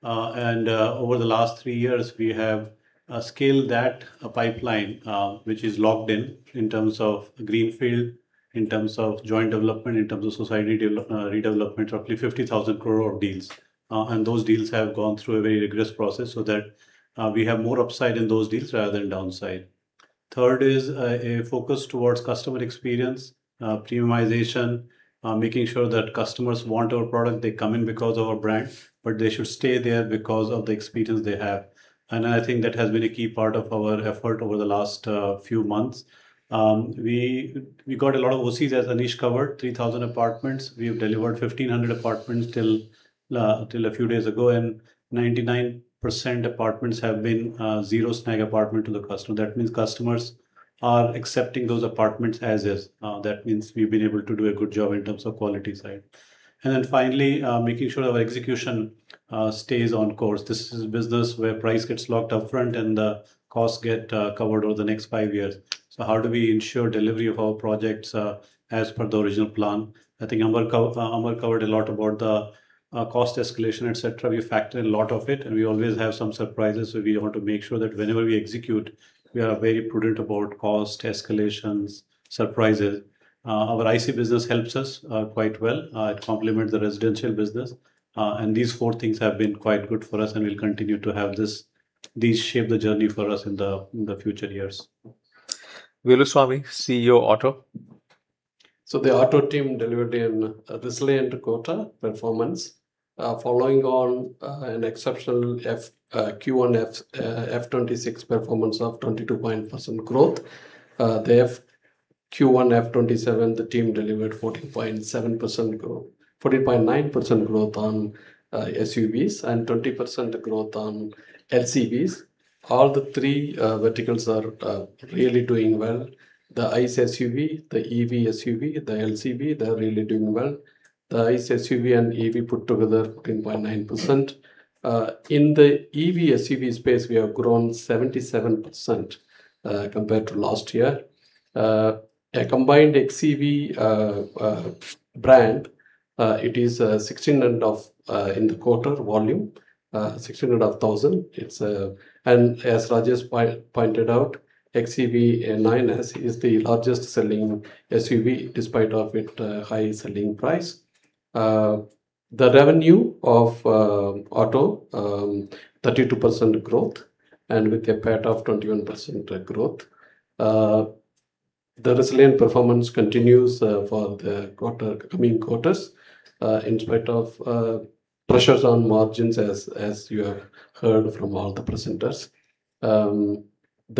Over the last three years, we have scaled that pipeline which is locked in terms of greenfield, in terms of joint development, in terms of society redevelopment, roughly 50,000 crore of deals. Those deals have gone through a very rigorous process so that we have more upside in those deals rather than downside. Third is a focus towards customer experience, premiumization, making sure that customers want our product. They come in because of our brand, but they should stay there because of the experience they have. I think that has been a key part of our effort over the last few months. We got a lot of OCs, as Anish covered, 3,000 apartments. We have delivered 1,500 apartments till a few days ago, and 99% apartments have been zero snag apartment to the customer. That means customers are accepting those apartments as is. That means we've been able to do a good job in terms of quality side. Finally, making sure our execution stays on course. This is a business where price gets locked up front and the costs get covered over the next five years. How do we ensure delivery of our projects as per the original plan? I think Amar covered a lot about the cost escalation, et cetera. We factor a lot of it, and we always have some surprises. We want to make sure that whenever we execute, we are very prudent about cost escalations, surprises. Our IC business helps us quite well. It complements the residential business. These four things have been quite good for us, and will continue to have these shape the journey for us in the future years. Velusamy, CEO Auto. The auto team delivered a resilient quarter performance, following on an exceptional Q1 FY 2026 performance of 22.0% growth. The Q1 FY 2027, the team delivered 14.9% growth on SUVs and 20% growth on LCVs. All the three verticals are really doing well. The ICE SUV, the EV SUV, the LCV, they're really doing well. The ICE SUV and EV put together 14.9%. In the EV SUV space, we have grown 77% compared to last year. A combined XEV brand, it is 1,600 in the quarter volume, 1,600 of 1,000. As Rajesh pointed out, XEV 9S is the largest selling SUV despite of its high selling price. The revenue of auto, 32% growth, and with a PAT of 21% growth. The resilient performance continues for the upcoming quarters, in spite of pressures on margins as you have heard from all the presenters. The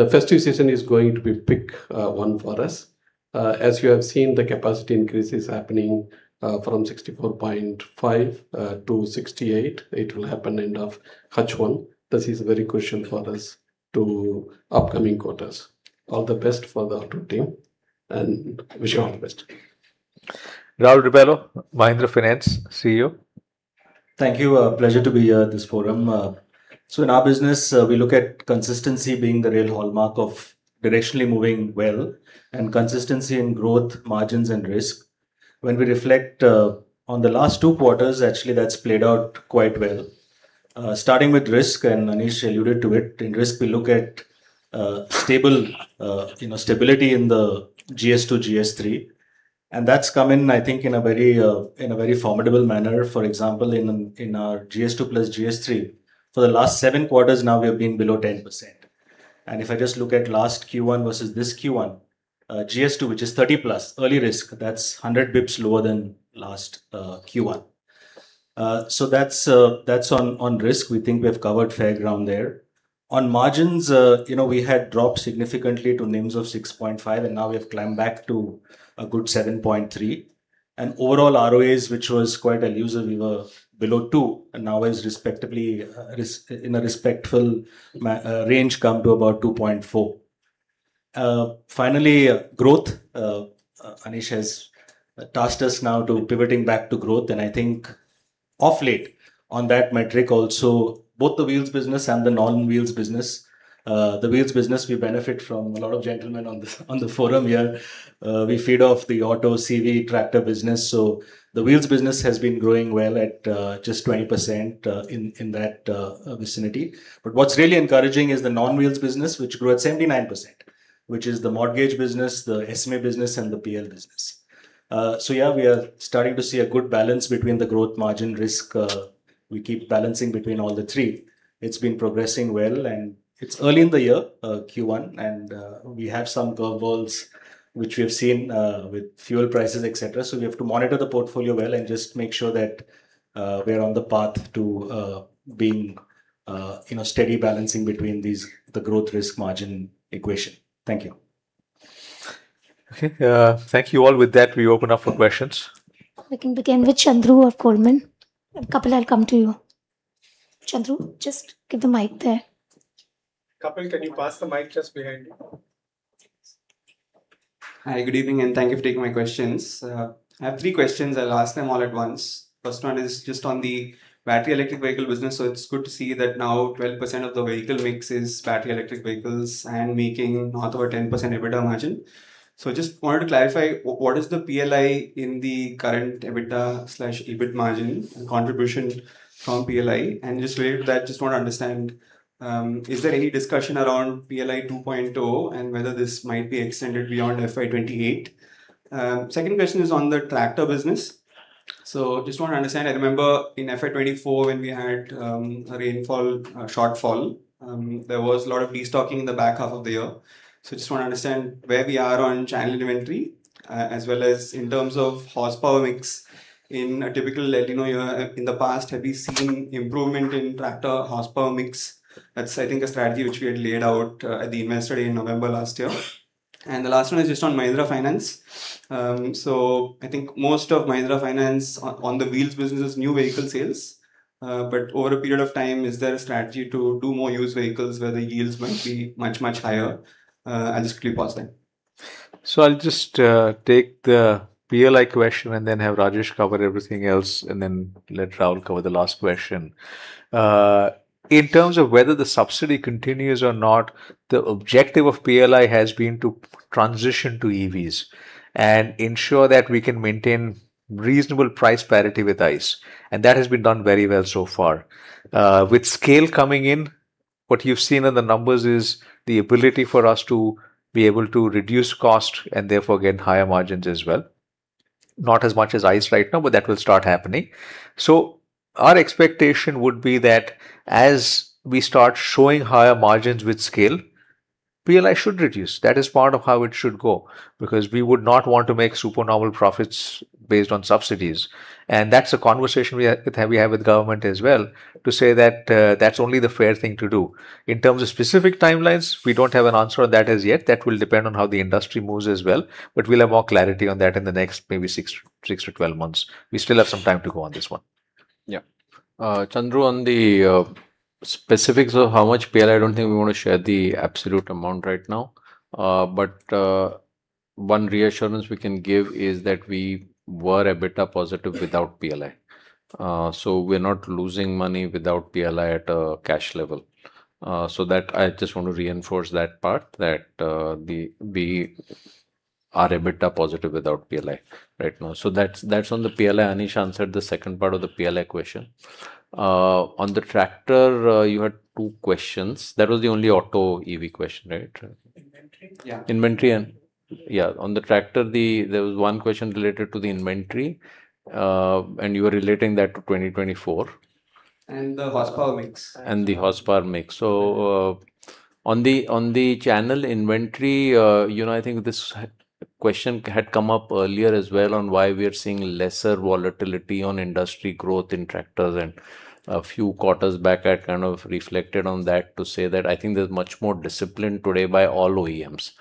festive season is going to be big one for us. As you have seen, the capacity increase is happening from 64.5 to 68. It will happen end of H1. This is very crucial for us to upcoming quarters. All the best for the auto team and wish you all the best. Raul Rebello, Mahindra Finance CEO. Thank you. A pleasure to be here at this forum. In our business, we look at consistency being the real hallmark of directionally moving well, and consistency in growth, margins and risk. When we reflect on the last two quarters, actually that's played out quite well. Starting with risk, Anish alluded to it. In risk, we look at stability in the GS2, GS3. That's come in, I think, in a very formidable manner. For example, in our GS2 plus GS3, for the last seven quarters now we have been below 10%. If I just look at last Q1 versus this Q1, GS2, which is 30 plus early risk, that's 100 basis points lower than last Q1. That's on risk. We think we have covered fair ground there. On margins, we had dropped significantly to NIMS of 6.5. Now we have climbed back to a good 7.3. Overall ROAs, which was quite elusive, we were below two, and now is in a respectful range, come to about 2.4. Finally, growth. Anish has tasked us now to pivoting back to growth. I think of late on that metric also, both the wheels business and the non-wheels business. The wheels business, we benefit from a lot of gentlemen on the forum here. We feed off the auto CV tractor business. The wheels business has been growing well at just 20% in that vicinity. What's really encouraging is the non-wheels business, which grew at 79%, which is the mortgage business, the SME business, and the PL business. Yeah, we are starting to see a good balance between the growth margin risk. We keep balancing between all the three. It's been progressing well, and it's early in the year, Q1, and we have some curveballs which we have seen with fuel prices, et cetera. We have to monitor the portfolio well and just make sure that we are on the path to being steady balancing between the growth risk margin equation. Thank you. Okay. Thank you all. With that, we open up for questions. We can begin with Chandru of Goldman. Kapil, I'll come to you. Chandru, just give the mic there. Kapil, can you pass the mic just behind you? Hi. Good evening, and thank you for taking my questions. I have three questions. I'll ask them all at once. First one is just on the battery electric vehicle business. It's good to see that now 12% of the vehicle mix is battery electric vehicles and making north over 10% EBITDA margin. Just wanted to clarify, what is the PLI in the current EBITDA/EBIT margin and contribution from PLI? Just related to that, just want to understand, is there any discussion around PLI 2.0 and whether this might be extended beyond FY 2028? Second question is on the tractor business. Just want to understand, I remember in FY 2024 when we had a rainfall shortfall, there was a lot of destocking in the back half of the year. Just want to understand where we are on channel inventory, as well as in terms of horsepower mix in a typical calendar year. In the past, have you seen improvement in tractor horsepower mix? That's, I think, a strategy which we had laid out at the investor day in November last year. The last one is just on Mahindra Finance. I think most of Mahindra Finance on the wheels business is new vehicle sales. Over a period of time, is there a strategy to do more used vehicles where the yields might be much, much higher? I'll just quickly pause there. I'll just take the PLI question and then have Rajesh cover everything else, and then let Raul cover the last question. In terms of whether the subsidy continues or not, the objective of PLI has been to transition to EVs and ensure that we can maintain reasonable price parity with ICE, and that has been done very well so far. With scale coming in, what you've seen in the numbers is the ability for us to be able to reduce cost and therefore get higher margins as well. Not as much as ICE right now, but that will start happening. Our expectation would be that as we start showing higher margins with scale, PLI should reduce. That is part of how it should go, because we would not want to make supernormal profits based on subsidies. That's a conversation we have with government as well to say that that's only the fair thing to do. In terms of specific timelines, we don't have an answer on that as yet. That will depend on how the industry moves as well, but we'll have more clarity on that in the next maybe 6-12 months. We still have some time to go on this one. Yeah. Chandru, on the specifics of how much PLI, I don't think we want to share the absolute amount right now. One reassurance we can give is that we were EBITDA positive without PLI. We're not losing money without PLI at a cash level. I just want to reinforce that part, that we are EBITDA positive without PLI right now. That's on the PLI. Anish answered the second part of the PLI question. On the tractor, you had two questions. That was the only auto EV question, right? Inventory. Yeah. Inventory. On the tractor, there was one question related to the inventory, and you were relating that to 2024. The horsepower mix. The horsepower mix. On the channel inventory, I think this question had come up earlier as well on why we are seeing lesser volatility on industry growth in tractors, and a few quarters back, I reflected on that to say that I think there's much more discipline today by all OEMs.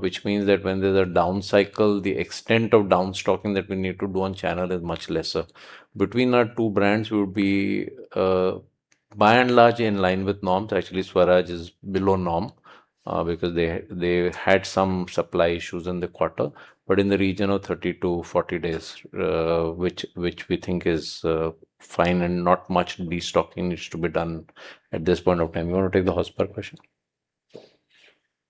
Which means that when there's a down cycle, the extent of down stocking that we need to do on channel is much lesser. Between our two brands, we would be by and large in line with norms. Actually, Swaraj is below norm, because they had some supply issues in the quarter, but in the region of 30-40 days, which we think is fine and not much destocking is to be done at this point of time. You want to take the horsepower question?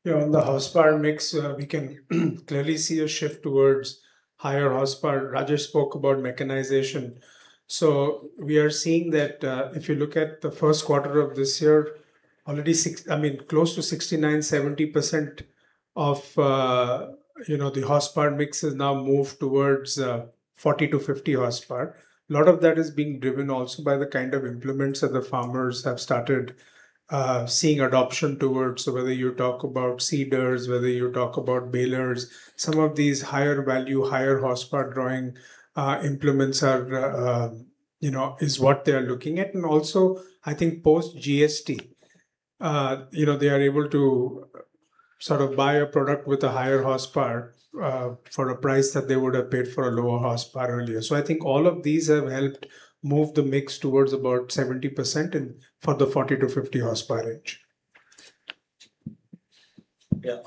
We can clearly see a shift towards higher horsepower. Rajesh spoke about mechanization. We are seeing that if you look at the first quarter of this year, close to 69, 70% of the horsepower mix has now moved towards 40 to 50 horsepower. A lot of that is being driven also by the kind of implements that the farmers have started seeing adoption towards, whether you talk about seeders, whether you talk about balers. Some of these higher value, higher horsepower drawing implements is what they're looking at. Also, I think post GST, they are able to buy a product with a higher horsepower, for a price that they would have paid for a lower horsepower earlier. I think all of these have helped move the mix towards about 70% and for the 40 to 50 horsepower range.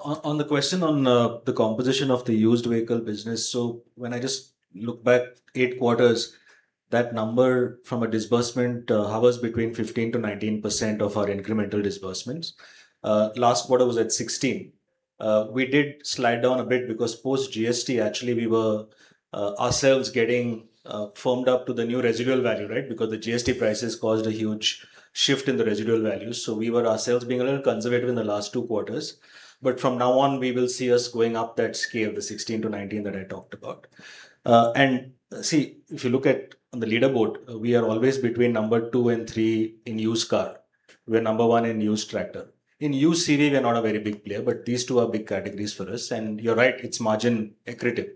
On the question on the composition of the used vehicle business, when I just look back eight quarters, that number from a disbursement hovers between 15%-19% of our incremental disbursements. Last quarter was at 16%. We did slide down a bit because post GST, actually, we were ourselves getting firmed up to the new residual value, right? Because the GST prices caused a huge shift in the residual values. We were ourselves being a little conservative in the last two quarters. From now on, we will see us going up that scale, the 16%-19% that I talked about. See, if you look at on the leaderboard, we are always between number two and three in used car. We're number one in used tractor. In used CV, we are not a very big player. These two are big categories for us, you're right, it's margin accretive.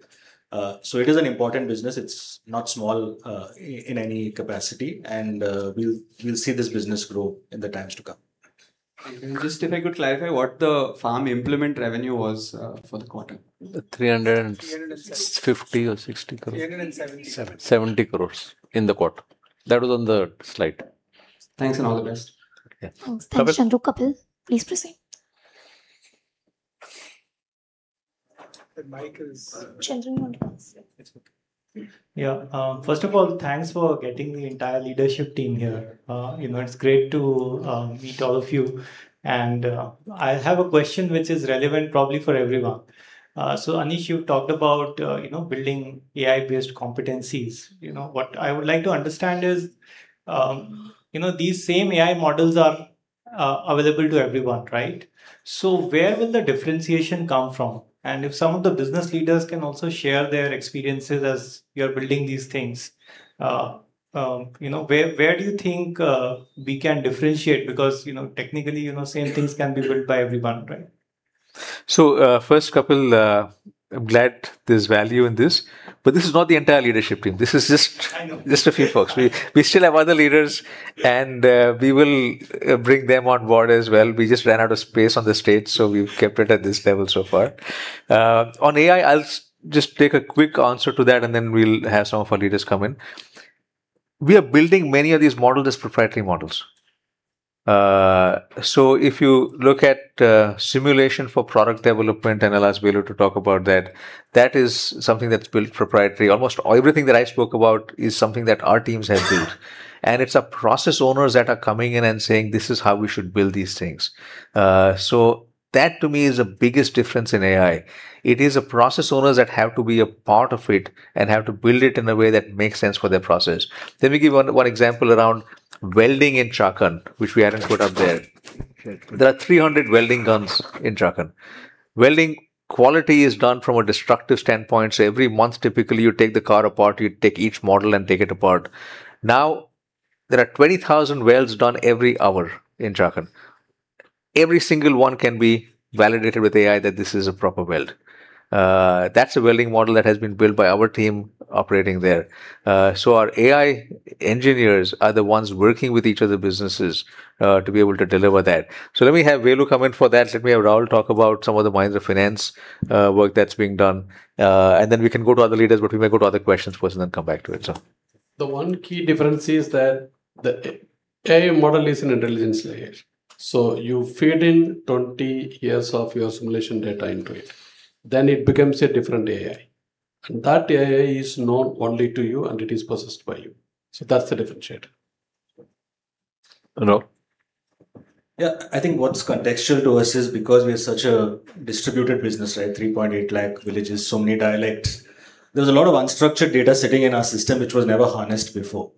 It is an important business. It's not small in any capacity, we'll see this business grow in the times to come. Just if I could clarify what the farm implement revenue was for the quarter. 300 and-- 300 and-- INR 50 or 60 crores. 370. 70 crores in the quarter. That was on the slide. Thanks. All the best. Yeah. Thanks, Chandru. Kapil, please proceed. The mic is-- Chandru, you want to pass it? It's okay. First of all, thanks for getting the entire leadership team here. It's great to meet all of you. I have a question which is relevant probably for everyone. Anish, you talked about building AI-based competencies. What I would like to understand is, these same AI models are available to everyone, right? Where will the differentiation come from? If some of the business leaders can also share their experiences as you're building these things. Where do you think we can differentiate, because technically, same things can be built by everyone, right? First, Kapil, I'm glad there's value in this, but this is not the entire leadership team. I know. Just a few folks. We still have other leaders We will bring them on board as well. We just ran out of space on the stage, we've kept it at this level so far. On AI, I'll just take a quick answer to that, and then we'll have some of our leaders come in. We are building many of these models as proprietary models. If you look at simulation for product development, and I'll ask Velu to talk about that is something that's built proprietary. Almost everything that I spoke about is something that our teams have built, and it's our process owners that are coming in and saying, this is how we should build these things. That to me is the biggest difference in AI. It is the process owners that have to be a part of it and have to build it in a way that makes sense for their process. Let me give one example around welding in Chakan, which we haven't put up there. There are 300 welding guns in Chakan. Welding quality is done from a destructive standpoint, so every month, typically, you take the car apart, you take each model and take it apart. Now, there are 20,000 welds done every hour in Chakan. Every single one can be validated with AI that this is a proper weld. That's a welding model that has been built by our team operating there. Our AI engineers are the ones working with each of the businesses to be able to deliver that. Let me have Velu come in for that. Let me have Raul talk about some of the minds of finance work that's being done. We can go to other leaders, we may go to other questions first and then come back to it. So, the one key difference is that the AI model is an intelligence layer. You feed in 20 years of your simulation data into it, then it becomes a different AI. That AI is known only to you, and it is possessed by you. That's the differentiator. Raul? Yeah. I think what's contextual to us is because we're such a distributed business, right? 3.8 lakh villages, so many dialects. There was a lot of unstructured data sitting in our system which was never harnessed before.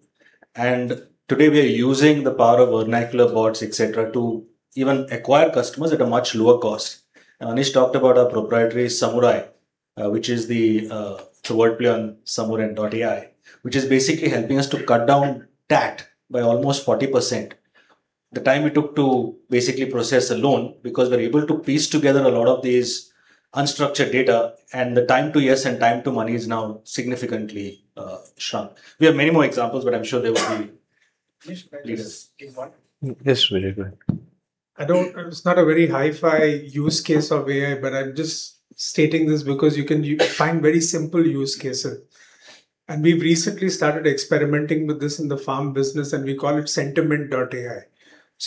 Today we are using the power of vernacular bots, et cetera, to even acquire customers at a much lower cost. Anish talked about our proprietary Samura.ai, which is the wordplay on Samura.ai, which is basically helping us to cut down TAT by almost 40%, the time it took to basically process a loan, because we're able to piece together a lot of these unstructured data and the time to yes and time to money is now significantly shrunk. We have many more examples, but I'm sure they will be. Anish, may I please give one? Yes, Velu. Go ahead. It's not a very hi-fi use case of AI, but I'm just stating this because you can find very simple use cases. We've recently started experimenting with this in the Farm business, and we call it Sentiment.ai.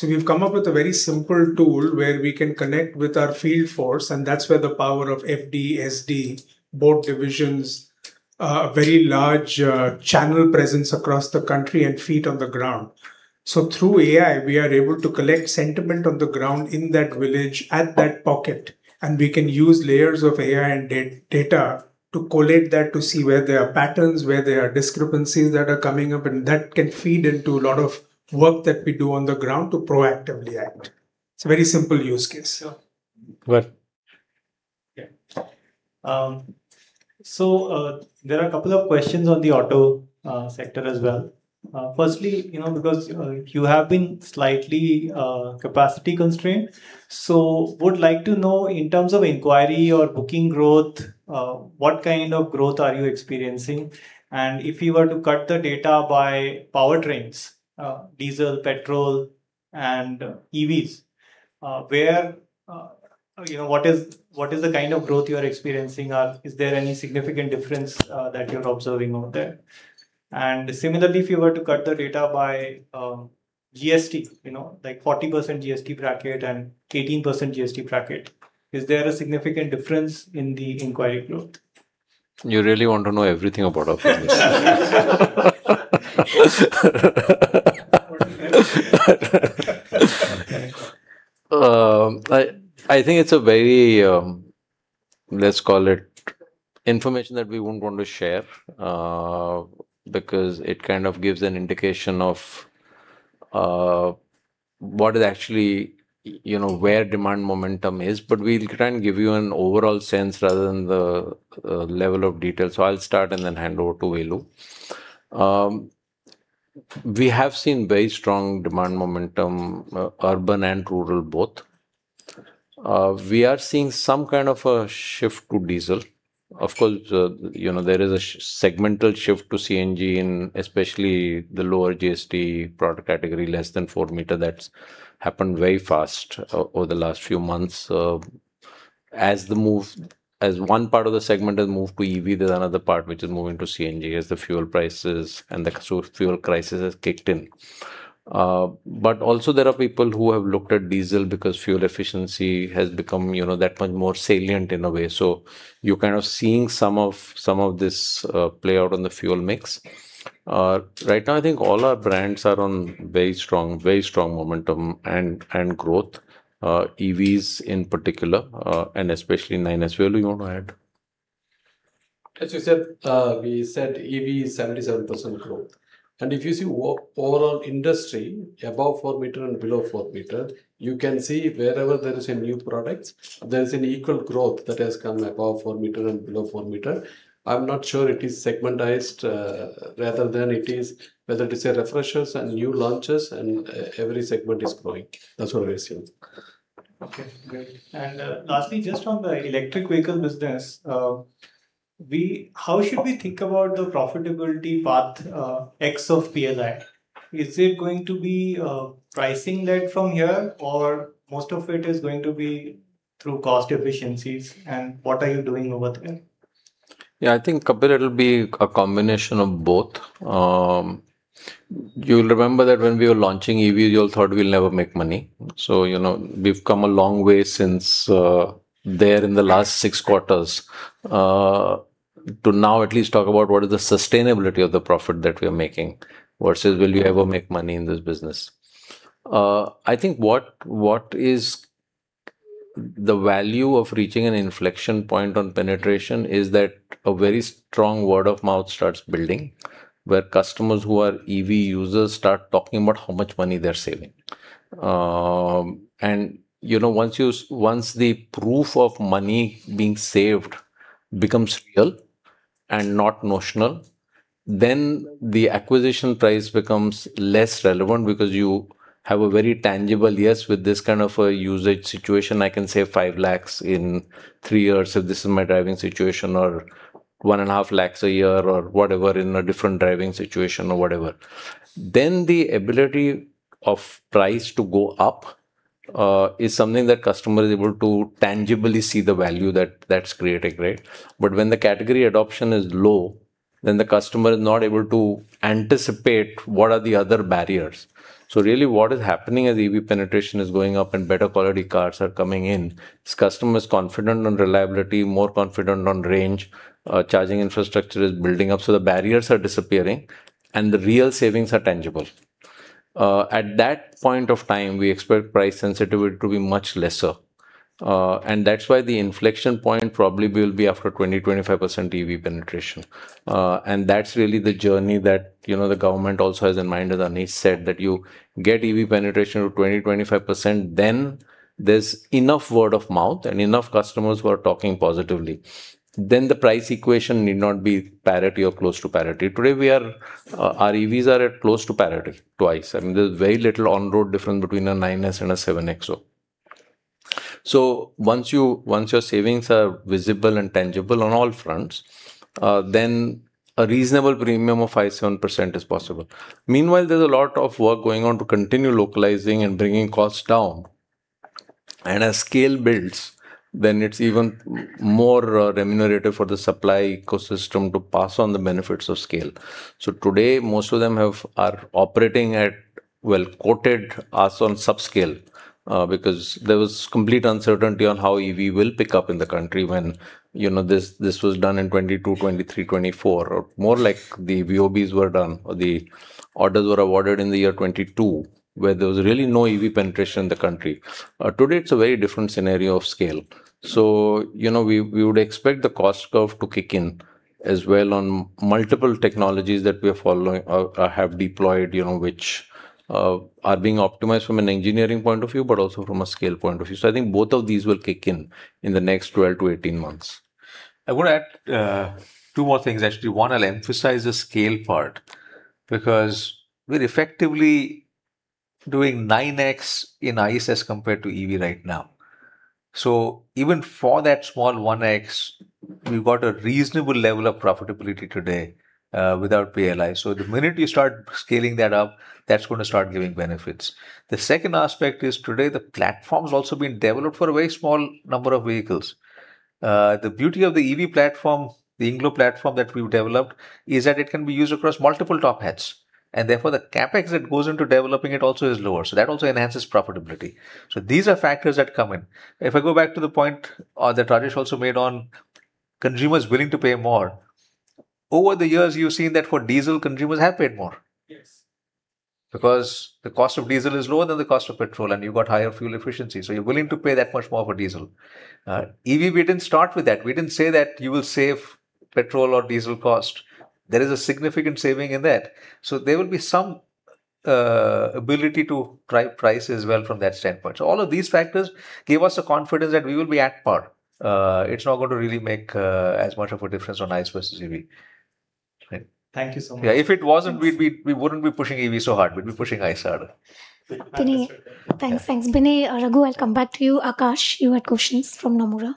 We've come up with a very simple tool where we can connect with our field force, and that's where the power of FD, SD, both divisions, a very large channel presence across the country and feet on the ground. Through AI, we are able to collect sentiment on the ground in that village, at that pocket, and we can use layers of AI and data to collate that to see where there are patterns, where there are discrepancies that are coming up, and that can feed into a lot of work that we do on the ground to proactively act. It's a very simple use case. Raul? Yeah. There are a couple of questions on the auto sector as well. Firstly, because you have been slightly capacity constrained, would like to know in terms of inquiry or booking growth, what kind of growth are you experiencing? If you were to cut the data by powertrains, diesel, petrol, and EVs, what is the kind of growth you are experiencing? Is there any significant difference that you're observing out there? Similarly, if you were to cut the data by GST, like 40% GST bracket and 18% GST bracket, is there a significant difference in the inquiry growth? You really want to know everything about our business. I think it's a very, let's call it information that we wouldn't want to share, because it kind of gives an indication of where demand momentum is. We'll try and give you an overall sense rather than the level of detail. I'll start and then hand over to Velu. We have seen very strong demand momentum, urban and rural, both. We are seeing some kind of a shift to diesel. Of course, there is a segmental shift to CNG in especially the lower GST product category, less than 4 m. That's happened very fast over the last few months. As one part of the segment has moved to EV, there's another part which is moving to CNG as the fuel prices and the fuel crisis has kicked in. Also there are people who have looked at diesel because fuel efficiency has become that much more salient in a way. You're kind of seeing some of this play out on the fuel mix. Right now, I think all our brands are on very strong momentum and growth. EVs in particular, and especially XEV 9S. Velu, you want to add? As you said, we said EV is 77% growth. If you see overall industry above 4 m and below 4 m, you can see wherever there is a new product, there is an equal growth that has come above 4 m and below 4 m. I'm not sure it is segmentized, rather than it is whether it is a refreshers and new launches and every segment is growing. That's what I assume. Okay, great. Lastly, just on the electric vehicle business. How should we think about the profitability path X of PLI? Is it going to be pricing led from here or most of it is going to be through cost efficiencies? What are you doing over there? Yeah, I think, Kapil, it'll be a combination of both. You'll remember that when we were launching EV, you all thought we'll never make money. We've come a long way since there in the last six quarters to now at least talk about what is the sustainability of the profit that we are making versus will you ever make money in this business. I think what is the value of reaching an inflection point on penetration is that a very strong word of mouth starts building, where customers who are EV users start talking about how much money they're saving. Once the proof of money being saved becomes real and not notional, the acquisition price becomes less relevant because you have a very tangible, yes, with this kind of a usage situation, I can save 5 lakhs in three years if this is my driving situation, or one and a half lakhs a year or whatever in a different driving situation or whatever. The ability of price to go up is something that customer is able to tangibly see the value that that's creating, right? When the category adoption is low, the customer is not able to anticipate what are the other barriers. Really what is happening as EV penetration is going up and better quality cars are coming in, is customer is confident on reliability, more confident on range. Charging infrastructure is building up, the barriers are disappearing and the real savings are tangible. At that point of time, we expect price sensitivity to be much lesser. That's why the inflection point probably will be after 20%-25% EV penetration. That's really the journey that the government also has in mind, as Anish said, that you get EV penetration to 20%-25%, there's enough word of mouth and enough customers who are talking positively. The price equation need not be parity or close to parity. Today our EVs are at close to parity, twice. There's very little on-road difference between a 9S and a 7XO. Once your savings are visible and tangible on all fronts, then a reasonable premium of 5%-7% is possible. Meanwhile, there's a lot of work going on to continue localizing and bringing costs down. As scale builds, it's even more remunerative for the supply ecosystem to pass on the benefits of scale. Today, most of them are operating at, well, quoted us on sub-scale. There was complete uncertainty on how EV will pick up in the country when this was done in 2022, 2023, 2024. More like the VOBs were done, or the orders were awarded in the year 2022, where there was really no EV penetration in the country. Today, it's a very different scenario of scale. We would expect the cost curve to kick in as well on multiple technologies that we have deployed, which are being optimized from an engineering point of view, but also from a scale point of view. I think both of these will kick in in the next 12-18 months. I want to add two more things, actually. One, I'll emphasize the scale part, because we're effectively doing 9x in ICE as compared to EV right now. Even for that small 1x, we've got a reasonable level of profitability today, without PLI. The minute you start scaling that up, that's going to start giving benefits. The second aspect is today the platform's also been developed for a very small number of vehicles. The beauty of the EV platform, the INGLO platform that we've developed, is that it can be used across multiple top hats, and therefore the CapEx that goes into developing it also is lower. That also enhances profitability. These are factors that come in. If I go back to the point that Rajesh also made on consumers willing to pay more, over the years, you've seen that for diesel, consumers have paid more. Yes. The cost of diesel is lower than the cost of petrol, and you've got higher fuel efficiency, so you're willing to pay that much more for diesel. EV, we didn't start with that. We didn't say that you will save petrol or diesel cost. There is a significant saving in that. There will be some ability to price as well from that standpoint. All of these factors give us the confidence that we will be at par. It's not going to really make as much of a difference on ICE versus EV. Right. Thank you so much. Yeah, if it wasn't, we wouldn't be pushing EV so hard. We'd be pushing ICE harder. Binay, thanks. Binay, Raghu, I'll come back to you. Akash, you had questions from Nomura.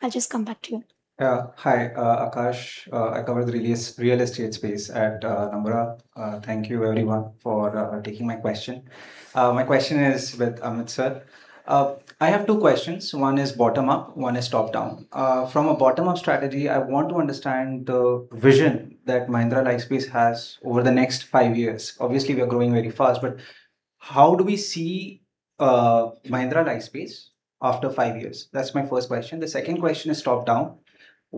I'll just come back to you. Hi, Akash. I cover the real estate space at Nomura. Thank you, everyone, for taking my question. My question is with Amit, sir. I have two questions. One is bottom-up, one is top-down. From a bottom-up strategy, I want to understand the vision that Mahindra Lifespace has over the next five years. Obviously, we are growing very fast, but how do we see Mahindra Lifespace after five years? That's my first question. The second question is top-down.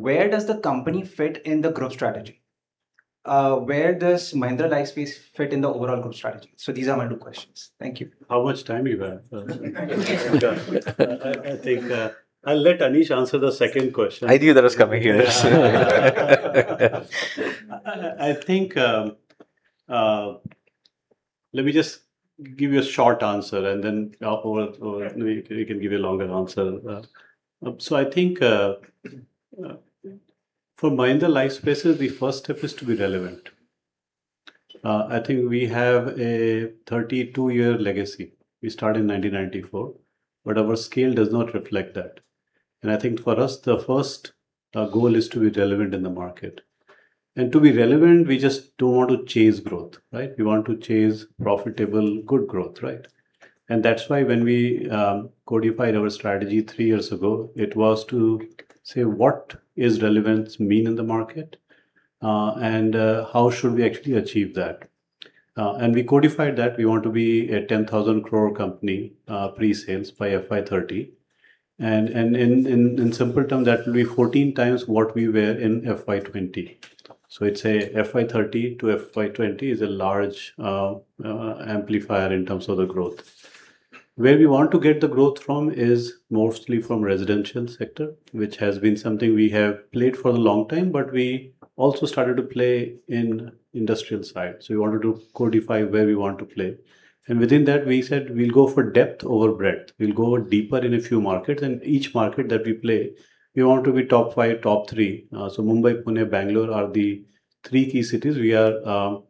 Where does the company fit in the group strategy? Where does Mahindra Lifespaces fit in the overall group strategy? These are my two questions. Thank you. How much time you have? I think I'll let Anish answer the second question. I knew that was coming. I think, let me just give you a short answer and then Raul can give you a longer answer. I think for Mahindra Lifespaces, the first step is to be relevant. I think we have a 32-year legacy. We started in 1994, our scale does not reflect that. I think for us, the first goal is to be relevant in the market. To be relevant, we just don't want to chase growth. Right? We want to chase profitable, good growth, right? That's why when we codified our strategy three years ago, it was to say what is relevance mean in the market, and how should we actually achieve that. We codified that we want to be a 10,000 crore company, pre-sales by FY 2030. In simple terms, that will be 14x what we were in FY 2020. It's a FY 2030 to FY 2020 is a large amplifier in terms of the growth. Where we want to get the growth from is mostly from residential sector, which has been something we have played for a long time, but we also started to play in industrial side. We wanted to codify where we want to play. Within that, we said we'll go for depth over breadth. We'll go deeper in a few markets. Each market that we play, we want to be top five, top three. Mumbai, Pune, Bangalore are the three key cities we are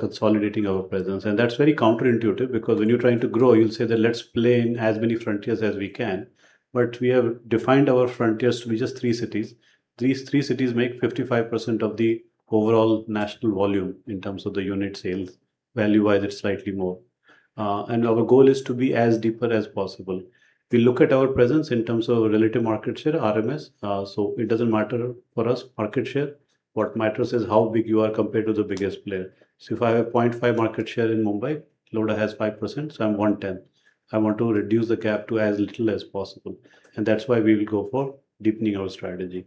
consolidating our presence. That's very counterintuitive, because when you're trying to grow, you'll say that let's play in as many frontiers as we can. We have defined our frontiers to be just three cities. These three cities make 55% of the overall national volume in terms of the unit sales. Value-wise, it's slightly more. Our goal is to be as deeper as possible. We look at our presence in terms of relative market share, RMS, so it doesn't matter for us, market share. What matters is how big you are compared to the biggest player. If I have 0.5 market share in Mumbai, Lodha has 5%, so I'm 1/10. I want to reduce the gap to as little as possible. That's why we will go for deepening our strategy.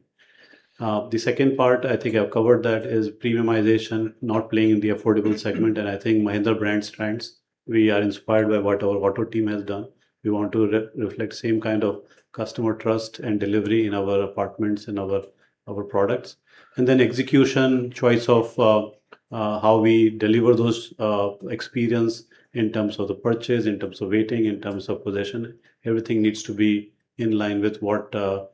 The second part, I think I've covered that, is premiumization, not playing in the affordable segment. I think Mahindra brand strengths, we are inspired by what our Auto team has done. We want to reflect same kind of customer trust and delivery in our apartments and our products. Then execution, choice of how we deliver those experience in terms of the purchase, in terms of waiting, in terms of possession. Everything needs to be in line with what a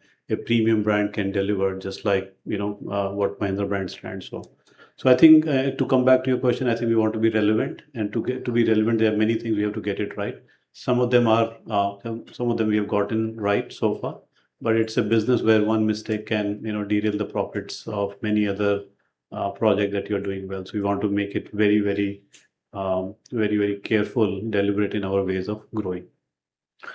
premium brand can deliver, just like what Mahindra brands stand for. I think to come back to your question, I think we want to be relevant. To be relevant, there are many things we have to get it right. Some of them we have gotten right so far. It's a business where one mistake can derail the profits of many other project that you're doing well. We want to make it very careful, deliberate in our ways of growing.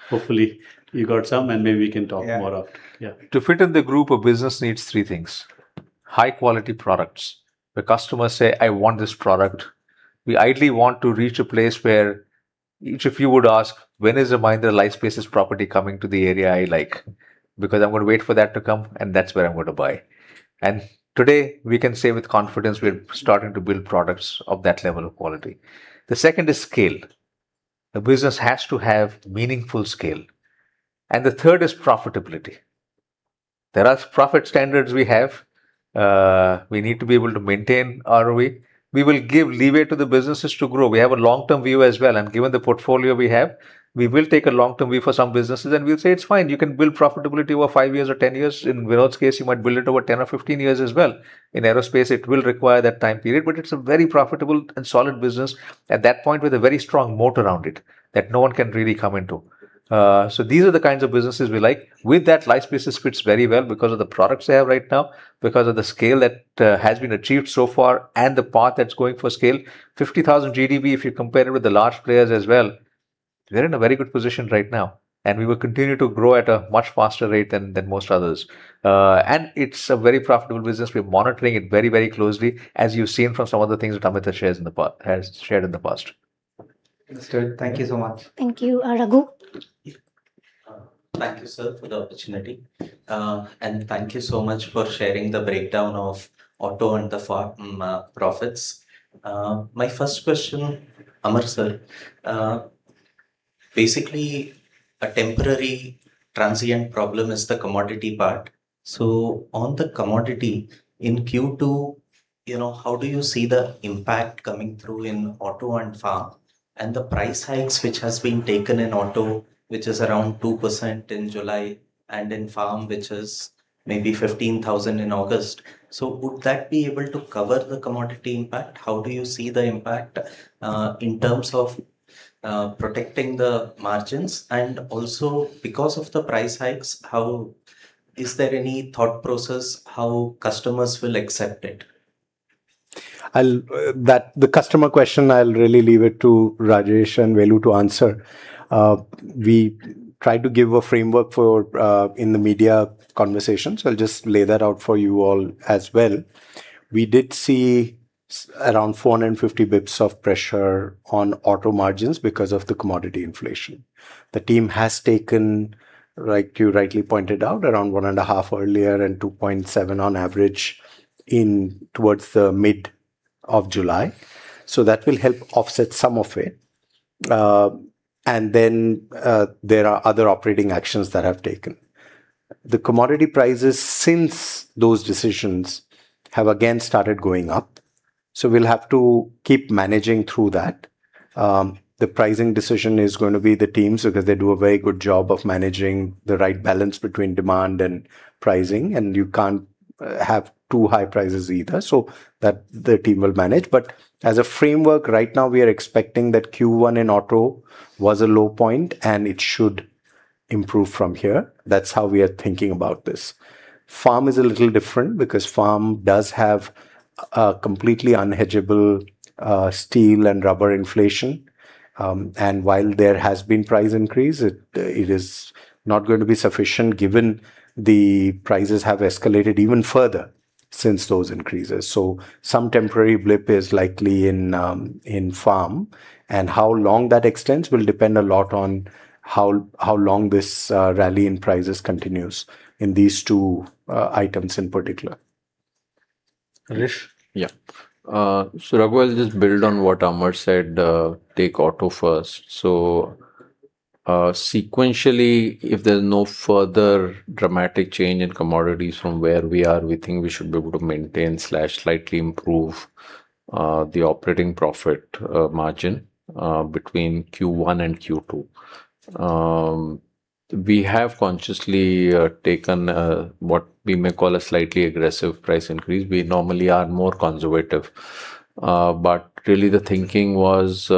Hopefully, you got some, and maybe we can talk more of- Yeah. To fit in the group, a business needs three things. High-quality products, where customers say, I want this product. We ideally want to reach a place where each of you would ask, when is a Mahindra Lifespaces property coming to the area I like? Because I'm going to wait for that to come, and that's where I'm going to buy. Today, we can say with confidence we're starting to build products of that level of quality. The second is scale. The business has to have meaningful scale. The third is profitability. There are profit standards we have. We need to be able to maintain ROE. We will give leeway to the businesses to grow. We have a long-term view as well. Given the portfolio we have, we will take a long-term view for some businesses, and we'll say, It's fine. You can build profitability over five years or 10 years. In Vinod's case, you might build it over 10 or 15 years as well. In aerospace, it will require that time period, but it's a very profitable and solid business at that point, with a very strong moat around it that no one can really come into. These are the kinds of businesses we like. With that, Lifespaces fits very well because of the products they have right now, because of the scale that has been achieved so far, the path that's going for scale. 50,000 GDV, if you compare it with the large players as well, they're in a very good position right now, and we will continue to grow at a much faster rate than most others. It's a very profitable business. We're monitoring it very closely, as you've seen from some of the things that Amit has shared in the past. Understood. Thank you so much. Thank you. Raghu? Thank you, sir, for the opportunity. Thank you so much for sharing the breakdown of Auto and the Farm profits. My first question, Amar, sir. Basically, a temporary transient problem is the commodity part. On the commodity in Q2, how do you see the impact coming through in Auto and Farm? The price hikes which has been taken in Auto, which is around 2% in July, and in Farm, which is maybe 15,000 in August. Would that be able to cover the commodity impact? How do you see the impact, in terms of protecting the margins? Also because of the price hikes, is there any thought process how customers will accept it? The customer question, I'll really leave it to Rajesh and Velu to answer. We tried to give a framework in the media conversations. I'll just lay that out for you all as well. We did see around 450 basis points of pressure on auto margins because of the commodity inflation. The team has taken, like you rightly pointed out, around one and a half earlier and 2.7 on average towards the mid of July. That will help offset some of it. Then, there are other operating actions that I have taken. The commodity prices since those decisions have again started going up. We'll have to keep managing through that. The pricing decision is going to be the team's, because they do a very good job of managing the right balance between demand and pricing, and you can't have too high prices either. That the team will manage. As a framework, right now, we are expecting that Q1 in auto was a low point and it should improve from here. That's how we are thinking about this. Farm is a little different because Farm does have a completely unhedgable steel and rubber inflation. While there has been price increase, it is not going to be sufficient given the prices have escalated even further since those increases. Some temporary blip is likely in Farm. How long that extends will depend a lot on how long this rally in prices continues in these two items in particular. Rajesh? Raghu will just build on what Amar said. Take auto first. Sequentially, if there's no further dramatic change in commodities from where we are, we think we should be able to maintain/slightly improve the operating profit margin between Q1 and Q2. We have consciously taken what we may call a slightly aggressive price increase. We normally are more conservative. Really the thinking was,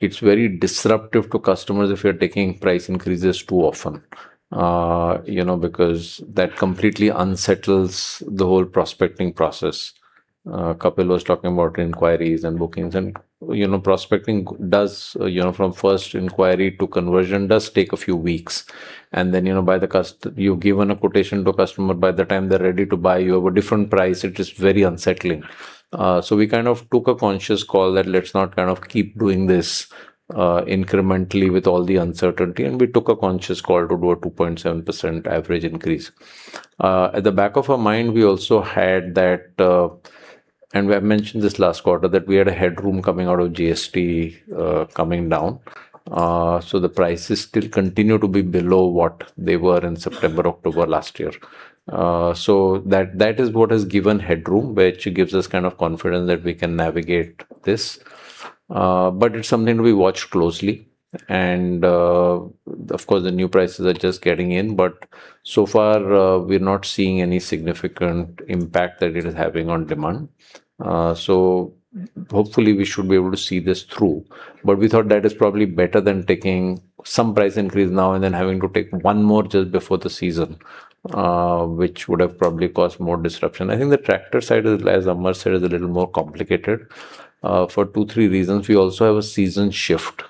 it's very disruptive to customers if you're taking price increases too often. That completely unsettles the whole prospecting process. Kapil was talking about inquiries and bookings, and prospecting does, from first inquiry to conversion, does take a few weeks. Then, you've given a quotation to a customer, by the time they're ready to buy, you have a different price. It is very unsettling. We took a conscious call that let's not keep doing this incrementally with all the uncertainty. We took a conscious call to do a 2.7% average increase. At the back of our mind, we also had that, and we have mentioned this last quarter, that we had a headroom coming out of GST coming down. The prices still continue to be below what they were in September, October last year. That is what has given headroom, which gives us confidence that we can navigate this. It's something we watch closely and, of course, the new prices are just getting in. So far, we're not seeing any significant impact that it is having on demand. Hopefully we should be able to see this through. We thought that is probably better than taking some price increase now and then having to take one more just before the season, which would have probably caused more disruption. I think the tractor side, as Amar said, is a little more complicated, for two, three reasons. We also have a season shift.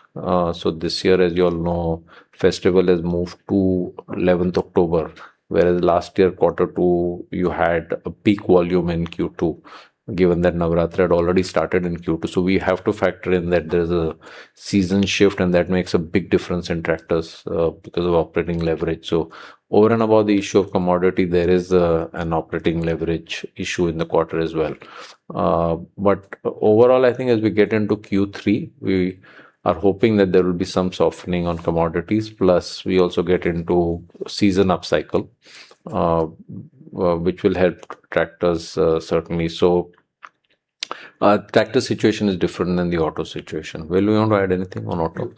This year, as you all know, festival has moved to 11th October, whereas last year, quarter two, you had a peak volume in Q2, given that Navratri had already started in Q2. We have to factor in that there is a season shift, and that makes a big difference in tractors, because of operating leverage. Over and above the issue of commodity, there is an operating leverage issue in the quarter as well. Overall, I think as we get into Q3, we are hoping that there will be some softening on commodities. Plus, we also get into season up cycle, which will help tractors, certainly. Tractor situation is different than the auto situation. Velu, you want to add anything on auto?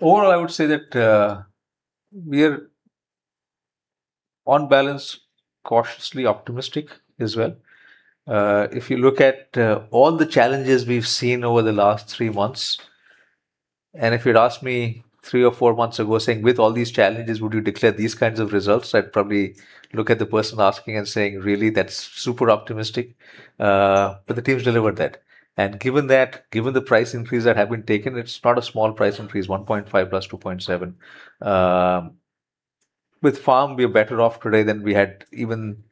Overall, I would say that we are on balance, cautiously optimistic as well. If you look at all the challenges we've seen over the last three months, and if you'd asked me three or four months ago saying, with all these challenges, would you declare these kinds of results? I'd probably look at the person asking and saying, really? That's super optimistic. The team's delivered that. Given the price increase that have been taken, it's not a small price increase, 1.5 plus 2.7. With Farm, we are better off today than we had even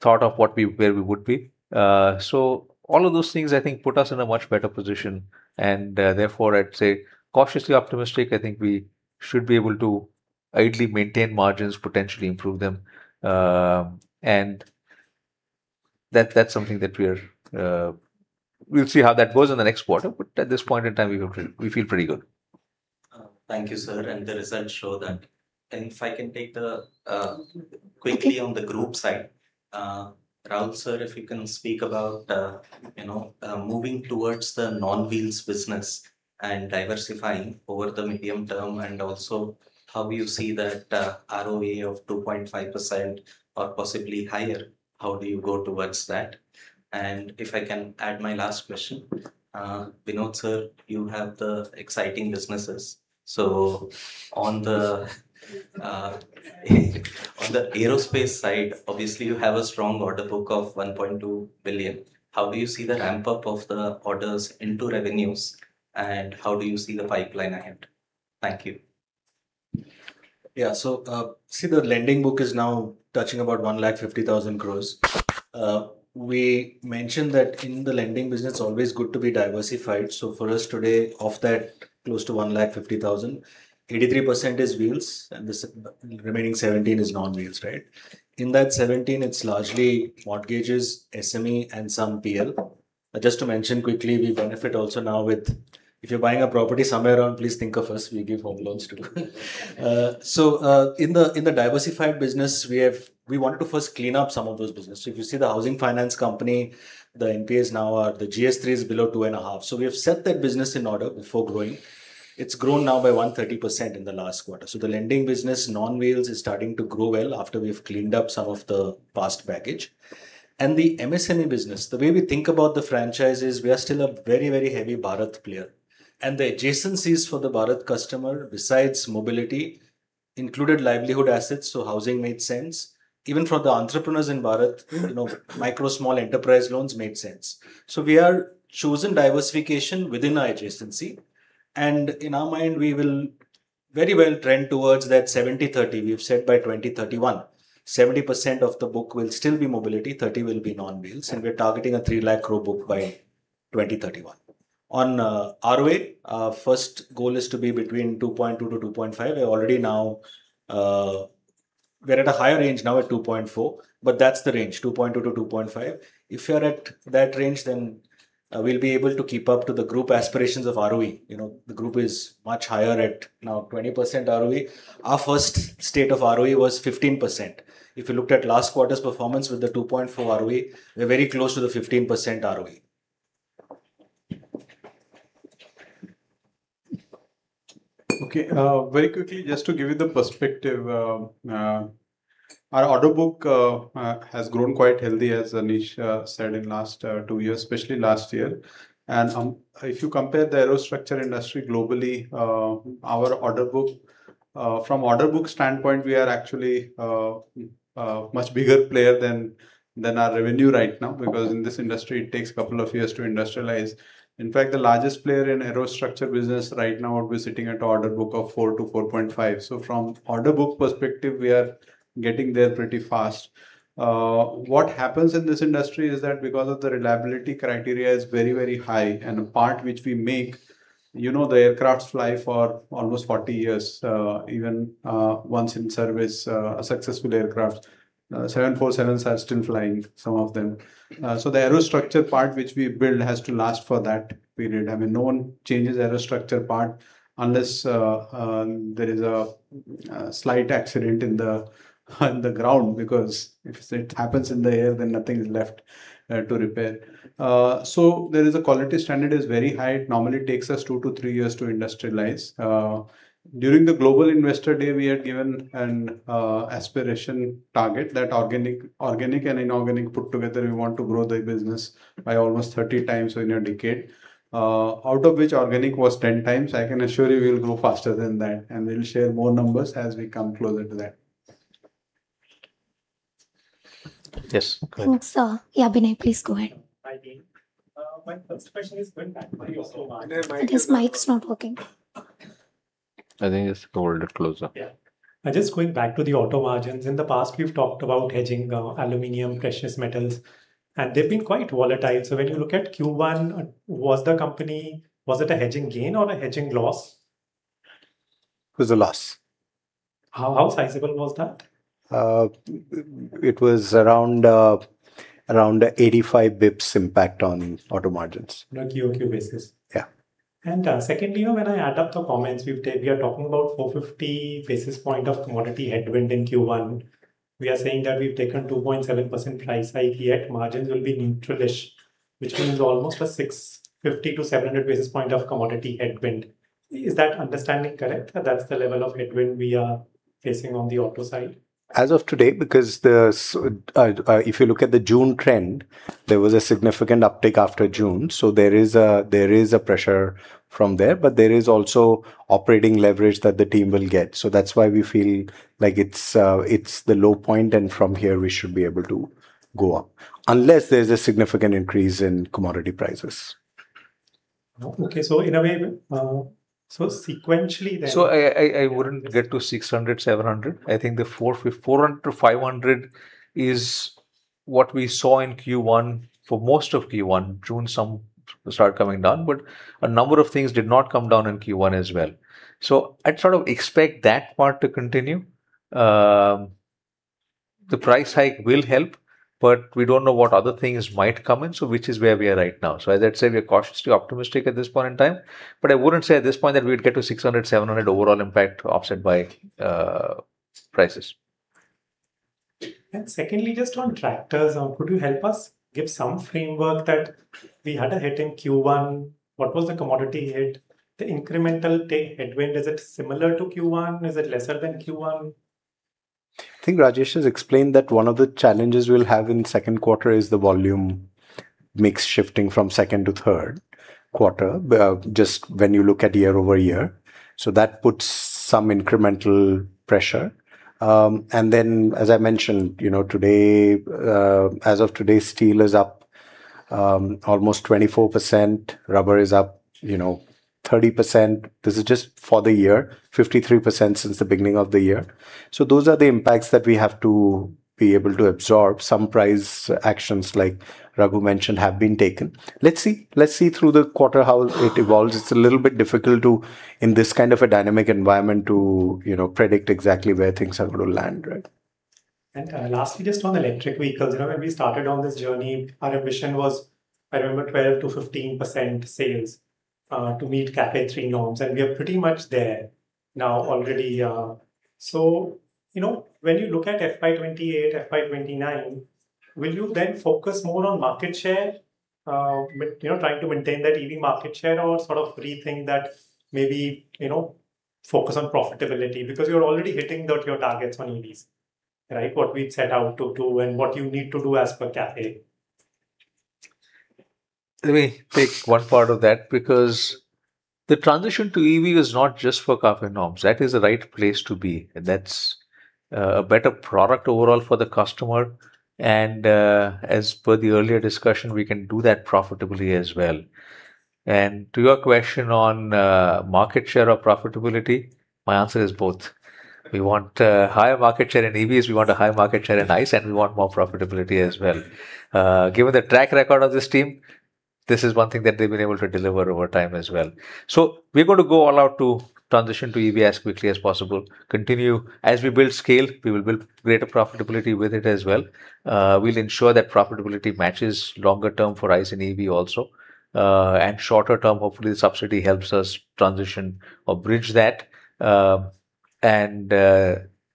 thought of where we would be. All of those things, I think, put us in a much better position and, therefore, I'd say cautiously optimistic. I think we should be able to ideally maintain margins, potentially improve them. That's something that we'll see how that goes in the next quarter. At this point in time, we feel pretty good. Thank you, sir. The results show that. If I can take quickly on the group side. Raul, sir, if you can speak about moving towards the non-wheels business and diversifying over the medium term and also how you see that ROA of 2.5% or possibly higher. How do you go towards that? If I can add my last question. Vinod, sir, you have the exciting businesses. On the aerospace side, obviously you have a strong order book of $1.2 billion. How do you see the ramp-up of the orders into revenues, and how do you see the pipeline ahead? Thank you. Yeah. See, the lending book is now touching about 150,000 crore. We mentioned that in the lending business, always good to be diversified. For us today, of that close to 150,000, 83% is wheels and the remaining 17% is non-wheels, right? In that 17%, it's largely mortgages, SME, and some PL. Just to mention quickly, we benefit also now with, if you're buying a property somewhere around, please think of us. We give home loans too. In the diversified business, we wanted to first clean up some of those businesses. If you see the housing finance company, the NPAs now are, the GS3 is below 2.5. We have set that business in order before growing. It's grown now by 130% in the last quarter. The lending business, non-wheels, is starting to grow well after we've cleaned up some of the past baggage. The MSME business, the way we think about the franchise is we are still a very heavy Bharat player. The adjacencies for the Bharat customer, besides mobility, included livelihood assets, housing made sense. Even for the entrepreneurs in Bharat, micro, small enterprise loans made sense. We are choosing diversification within our adjacency, and in our mind, we will very well trend towards that 70/30 we've set by 2031. 70% of the book will still be mobility, 30 will be non-wheels, and we're targeting a 3 lakh crore book by 2031. On ROE, our first goal is to be between 2.2-2.5. We're at a higher range now at 2.4, that's the range, 2.2-2.5. If we are at that range, we'll be able to keep up to the group aspirations of ROE. The group is much higher at now 20% ROE. Our first state of ROE was 15%. If you looked at last quarter's performance with the 2.4 ROE, we're very close to the 15% ROE. Okay. Very quickly, just to give you the perspective, our order book has grown quite healthy, as Anish said, in last two years, especially last year. If you compare the aerostructure industry globally, from order book standpoint, we are actually a much bigger player than our revenue right now, because in this industry, it takes a couple of years to industrialize. In fact, the largest player in aerostructure business right now would be sitting at order book of 4-4.5. From order book perspective, we are getting there pretty fast. What happens in this industry is that because of the reliability criteria is very high, and a part which we make, the aircrafts fly for almost 40 years. Even once in service, a successful aircraft, 747s are still flying, some of them. The aerostructure part, which we build, has to last for that period. No one changes aerostructure part unless there is a slight accident on the ground, because if it happens in the air, then nothing is left to repair. There is a quality standard, is very high. It normally takes us two to three years to industrialize. During the Global Investor Day, we had given an aspiration target that organic and inorganic put together, we want to grow the business by almost 30x within a decade. Out of which, organic was 10x. I can assure you we'll grow faster than that, and we'll share more numbers as we come closer to that. Yes, go ahead. Sir. Yeah, Vinay, please go ahead. Hi. [inaudible] My first question is when. His mic's not working. I think just hold it closer. Yeah. Just going back to the auto margins. In the past, we've talked about hedging aluminum, precious metals, and they've been quite volatile. When you look at Q1, was it a hedging gain or a hedging loss? It was a loss. How sizable was that? It was around a 85 basis points impact on auto margins. On a quarter-over-quarter basis. Yeah. Secondly, when I add up the comments, we are talking about 450 basis points of commodity headwind in Q1. We are saying that we've taken 2.7% price hike, yet margins will be neutral-ish, which means almost a 650 to 700 basis points of commodity headwind. Is that understanding correct? That's the level of headwind we are facing on the auto side? As of today. If you look at the June trend, there was a significant uptick after June. There is a pressure from there, but there is also operating leverage that the team will get. That's why we feel like it's the low point, and from here, we should be able to go up, unless there's a significant increase in commodity prices. Okay. In a way, sequentially then- I wouldn't get to 600, 700. I think the 400 to 500 is what we saw in Q1 for most of Q1. June, some start coming down, but a number of things did not come down in Q1 as well. I'd sort of expect that part to continue. The price hike will help, but we don't know what other things might come in, which is where we are right now. As I said, we are cautiously optimistic at this point in time, but I wouldn't say at this point that we'd get to 600, 700 overall impact offset by prices. Secondly, just on tractors, could you help us give some framework that we had a hit in Q1. What was the commodity hit? The incremental headwind, is it similar to Q1? Is it lesser than Q1? I think Rajesh has explained that one of the challenges we will have in 2Q is the volume mix shifting from second to third quarter, just when you look at year-over-year. That puts some incremental pressure. As I mentioned, as of today, steel is up almost 24%, rubber is up 30%. This is just for the year, 53% since the beginning of the year. Those are the impacts that we have to be able to absorb. Some price actions, like Raghu mentioned, have been taken. Let's see. Let's see through the quarter how it evolves. It's a little bit difficult in this kind of a dynamic environment to predict exactly where things are going to land, right. Lastly, just on electric vehicles. When we started on this journey, our ambition was, I remember, 12%-15% sales to meet CAFE III norms, and we are pretty much there now already. When you look at FY 2028, FY 2029, will you then focus more on market share, trying to maintain that EV market share or rethink that maybe focus on profitability because you're already hitting your targets on EVs. Right? What we'd set out to do and what you need to do as per CAFE. Let me take one part of that, because the transition to EV is not just for CAFE norms. That is the right place to be, and that's a better product overall for the customer, and as per the earlier discussion, we can do that profitably as well. To your question on market share or profitability, my answer is both. We want a higher market share in EVs, we want a higher market share in ICE, and we want more profitability as well. Given the track record of this team, this is one thing that they've been able to deliver over time as well. We're going to go all out to transition to EV as quickly as possible, continue. As we build scale, we will build greater profitability with it as well. We will ensure that profitability matches longer term for ICE and EV also. Shorter term, hopefully the subsidy helps us transition or bridge that.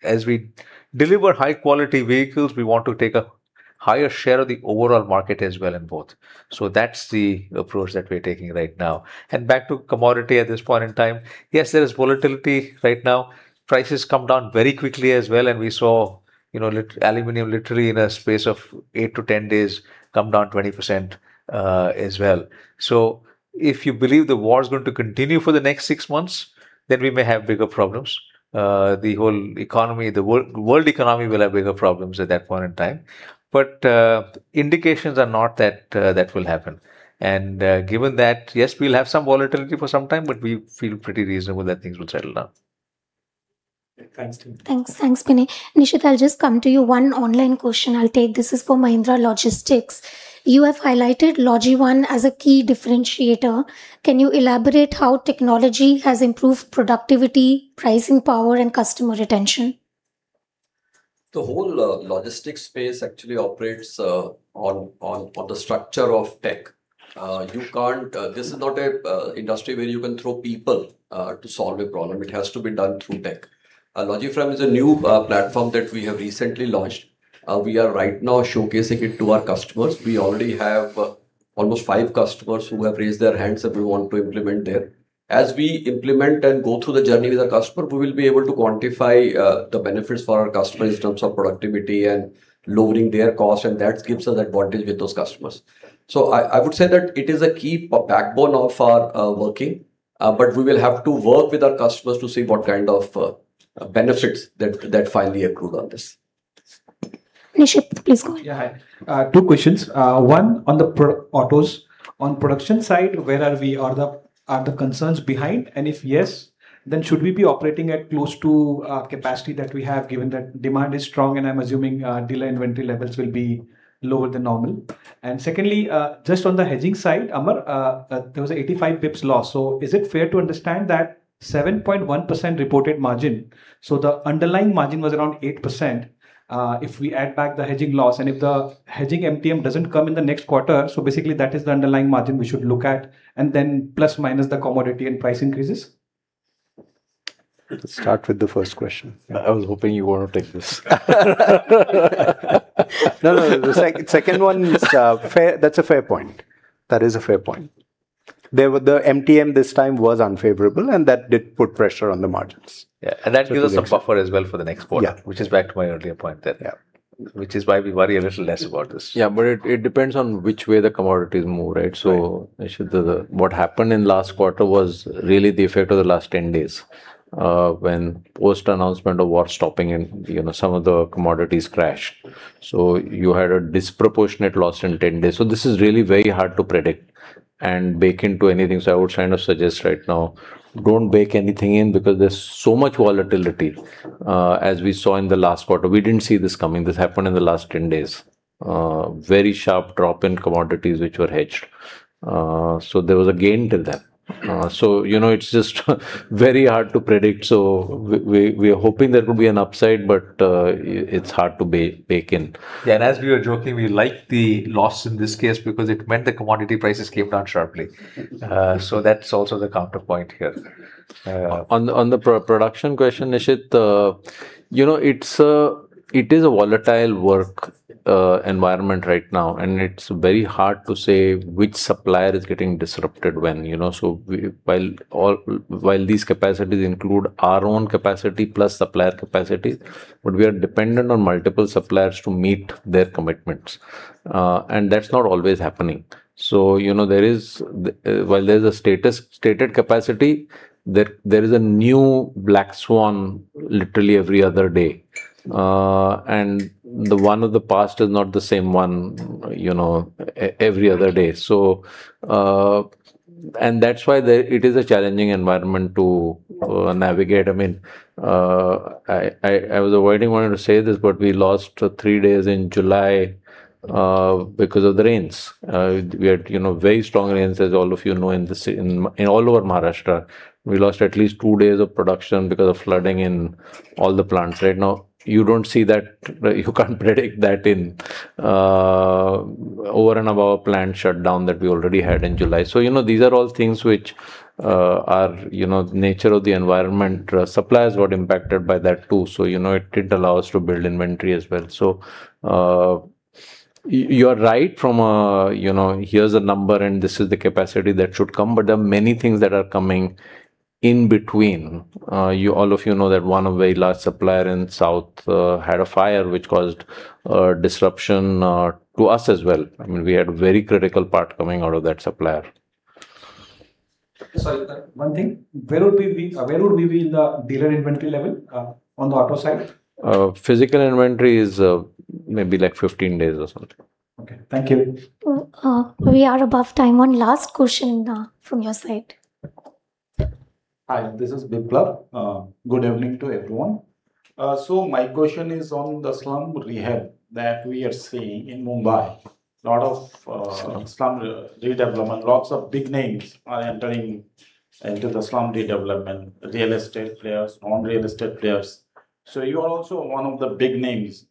As we deliver high-quality vehicles, we want to take a higher share of the overall market as well in both. That's the approach that we're taking right now. Back to commodity at this point in time. Yes, there is volatility right now. Prices come down very quickly as well, and we saw aluminum literally in a space of 8-10 days come down 20% as well. If you believe the war is going to continue for the next six months, then we may have bigger problems. The whole economy, the world economy will have bigger problems at that point in time. Indications are not that that will happen. Given that, yes, we will have some volatility for some time, but we feel pretty reasonable that things will settle down. Thanks, teamwork. Thanks, Vinay. Nishit, I'll just come to you. One online question I'll take. This is for Mahindra Logistics. You have highlighted LogiOne as a key differentiator. Can you elaborate how technology has improved productivity, pricing power, and customer retention? The whole logistics space actually operates on the structure of tech. This is not an industry where you can throw people to solve a problem. It has to be done through tech. LogiOne is a new platform that we have recently launched. We are right now showcasing it to our customers. We already have almost five customers who have raised their hands that we want to implement there. As we implement and go through the journey with our customer, we will be able to quantify the benefits for our customer in terms of productivity and lowering their cost, and that gives us advantage with those customers. I would say that it is a key backbone of our working, but we will have to work with our customers to see what kind of benefits that finally accrue on this. Nishit, please go on. Hi. Two questions. One on the autos. On production side, where are we? Are the concerns behind? If yes, then should we be operating at close to capacity that we have, given that demand is strong and I'm assuming dealer inventory levels will be lower than normal? Secondly, just on the hedging side, Amar, there was a 85 basis points loss. Is it fair to understand that 7.1% reported margin, so the underlying margin was around 8%, if we add back the hedging loss, and if the hedging MTM doesn't come in the next quarter, so basically that is the underlying margin we should look at, and then plus minus the commodity and price increases? Let's start with the first question. I was hoping you were to take this. The second one, that's a fair point. That is a fair point. The MTM this time was unfavorable, and that did put pressure on the margins. Yeah, that gives us some buffer as well for the next quarter. Yeah. Which is back to my earlier point then. Yeah. Which is why we worry a little less about this. Yeah, it depends on which way the commodities move, right? Right. Nishit, what happened in last quarter was really the effect of the last 10 days, when post announcement of war stopping and some of the commodities crashed. You had a disproportionate loss in 10 days. This is really very hard to predict and bake into anything. I would suggest right now, don't bake anything in because there's so much volatility, as we saw in the last quarter. We didn't see this coming. This happened in the last 10 days. Very sharp drop in commodities which were hedged. There was a gain till then. It's just very hard to predict. We are hoping there will be an upside, but it's hard to bake in. As we were joking, we like the loss in this case because it meant the commodity prices came down sharply. That's also the counterpoint here. On the production question, Nishit, it is a volatile work environment right now, and it's very hard to say which supplier is getting disrupted when. While these capacities include our own capacity plus supplier capacities, but we are dependent on multiple suppliers to meet their commitments. That's not always happening. While there's a stated capacity, there is a new black swan literally every other day. The one of the past is not the same one every other day. That's why it is a challenging environment to navigate. I was avoiding wanting to say this, but we lost three days in July because of the rains. We had very strong rains, as all of you know, in all over Maharashtra. We lost at least two days of production because of flooding in all the plants. Right now, you don't see that. You can't predict that. Over and above plant shutdown that we already had in July. These are all things which are nature of the environment. Supplies got impacted by that, too. It didn't allow us to build inventory as well. You are right from, here's a number and this is the capacity that should come, but there are many things that are coming in between. All of you know that one of very large supplier in south had a fire, which caused a disruption to us as well. We had a very critical part coming out of that supplier. Sorry, one thing. Where would we be in the dealer inventory level on the auto side? Physical inventory is maybe 15 days or something. Okay. Thank you. We are above time. One last question from your side. Hi, this is Biplab. Good evening to everyone. My question is on the slum rehab that we are seeing in Mumbai. Lot of slum redevelopment, lots of big names are entering into the slum redevelopment, real estate players, non-real estate players. You are also one of the big names.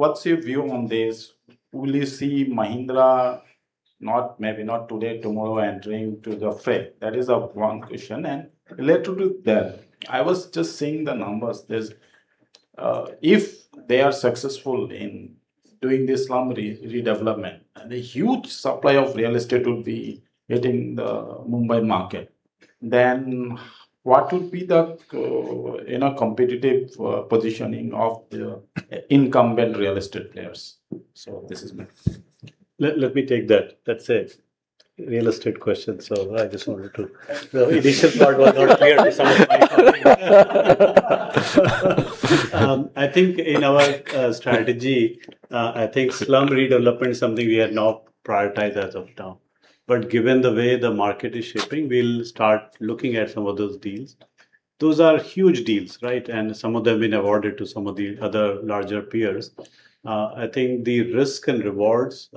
What's your view on this? Will you see Mahindra, maybe not today, tomorrow, entering to the fray? That is one question. Related to that, I was just seeing the numbers. If they are successful in doing the slum redevelopment and a huge supply of real estate would be hitting the Mumbai market, then what would be the competitive positioning of the incumbent real estate players? Let me take that. That's a real estate question. The initial part was not clear. I think in our strategy, I think slum redevelopment is something we have not prioritized as of now. Given the way the market is shaping, we'll start looking at some of those deals. Those are huge deals, right? Some of them been awarded to some of the other larger peers. I think the risk and rewards,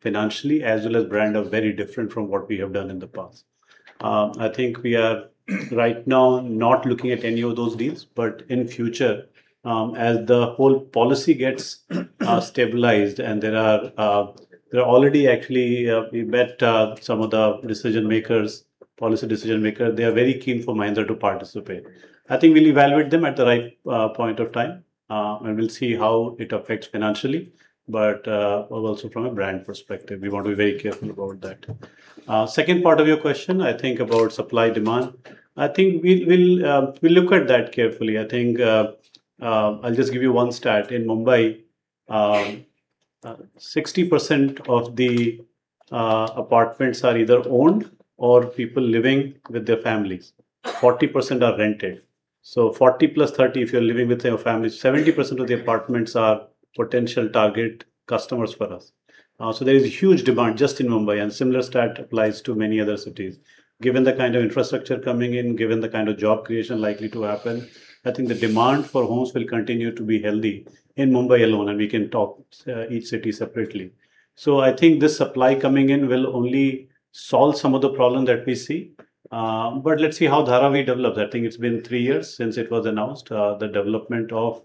financially as well as brand, are very different from what we have done in the past. I think we are right now not looking at any of those deals. In future, as the whole policy gets stabilized and there are already, actually, we met some of the decision makers, policy decision-maker, they are very keen for Mahindra to participate. I think we'll evaluate them at the right point of time, and we'll see how it affects financially. Also from a brand perspective, we want to be very careful about that. Second part of your question, I think about supply, demand. I think we'll look at that carefully. I think I'll just give you one stat. In Mumbai, 60% of the apartments are either owned or people living with their families. 40% are rented. 40 plus 30, if you're living with your family, 70% of the apartments are potential target customers for us. There is a huge demand just in Mumbai, and similar stat applies to many other cities. Given the kind of infrastructure coming in, given the kind of job creation likely to happen, I think the demand for homes will continue to be healthy in Mumbai alone, and we can talk each city separately. I think this supply coming in will only solve some of the problem that we see. Let's see how Dharavi develops. I think it's been three years since it was announced. The development of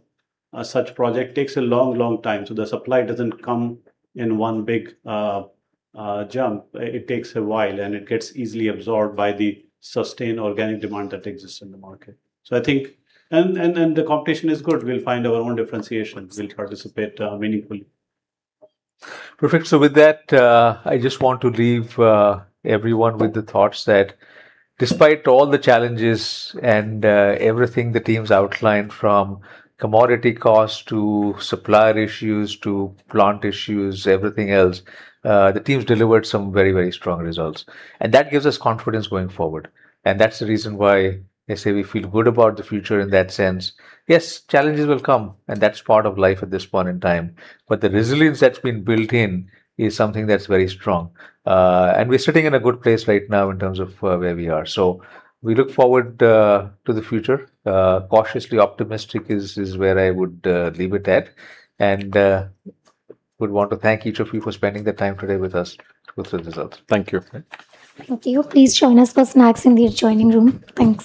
such project takes a long, long time, the supply doesn't come in one big jump. It takes a while, and it gets easily absorbed by the sustained organic demand that exists in the market. The competition is good. We'll find our own differentiations. We'll participate meaningfully. Perfect. With that, I just want to leave everyone with the thoughts that despite all the challenges and everything the teams outlined, from commodity cost to supplier issues, to plant issues, everything else, the teams delivered some very, very strong results. That gives us confidence going forward. That's the reason why they say we feel good about the future in that sense. Yes, challenges will come, and that's part of life at this point in time. The resilience that's been built in is something that's very strong. We're sitting in a good place right now in terms of where we are. We look forward to the future. Cautiously optimistic is where I would leave it at. Would want to thank each of you for spending the time today with us with the results. Thank you. Thank you. Please join us for snacks in the adjoining room. Thanks.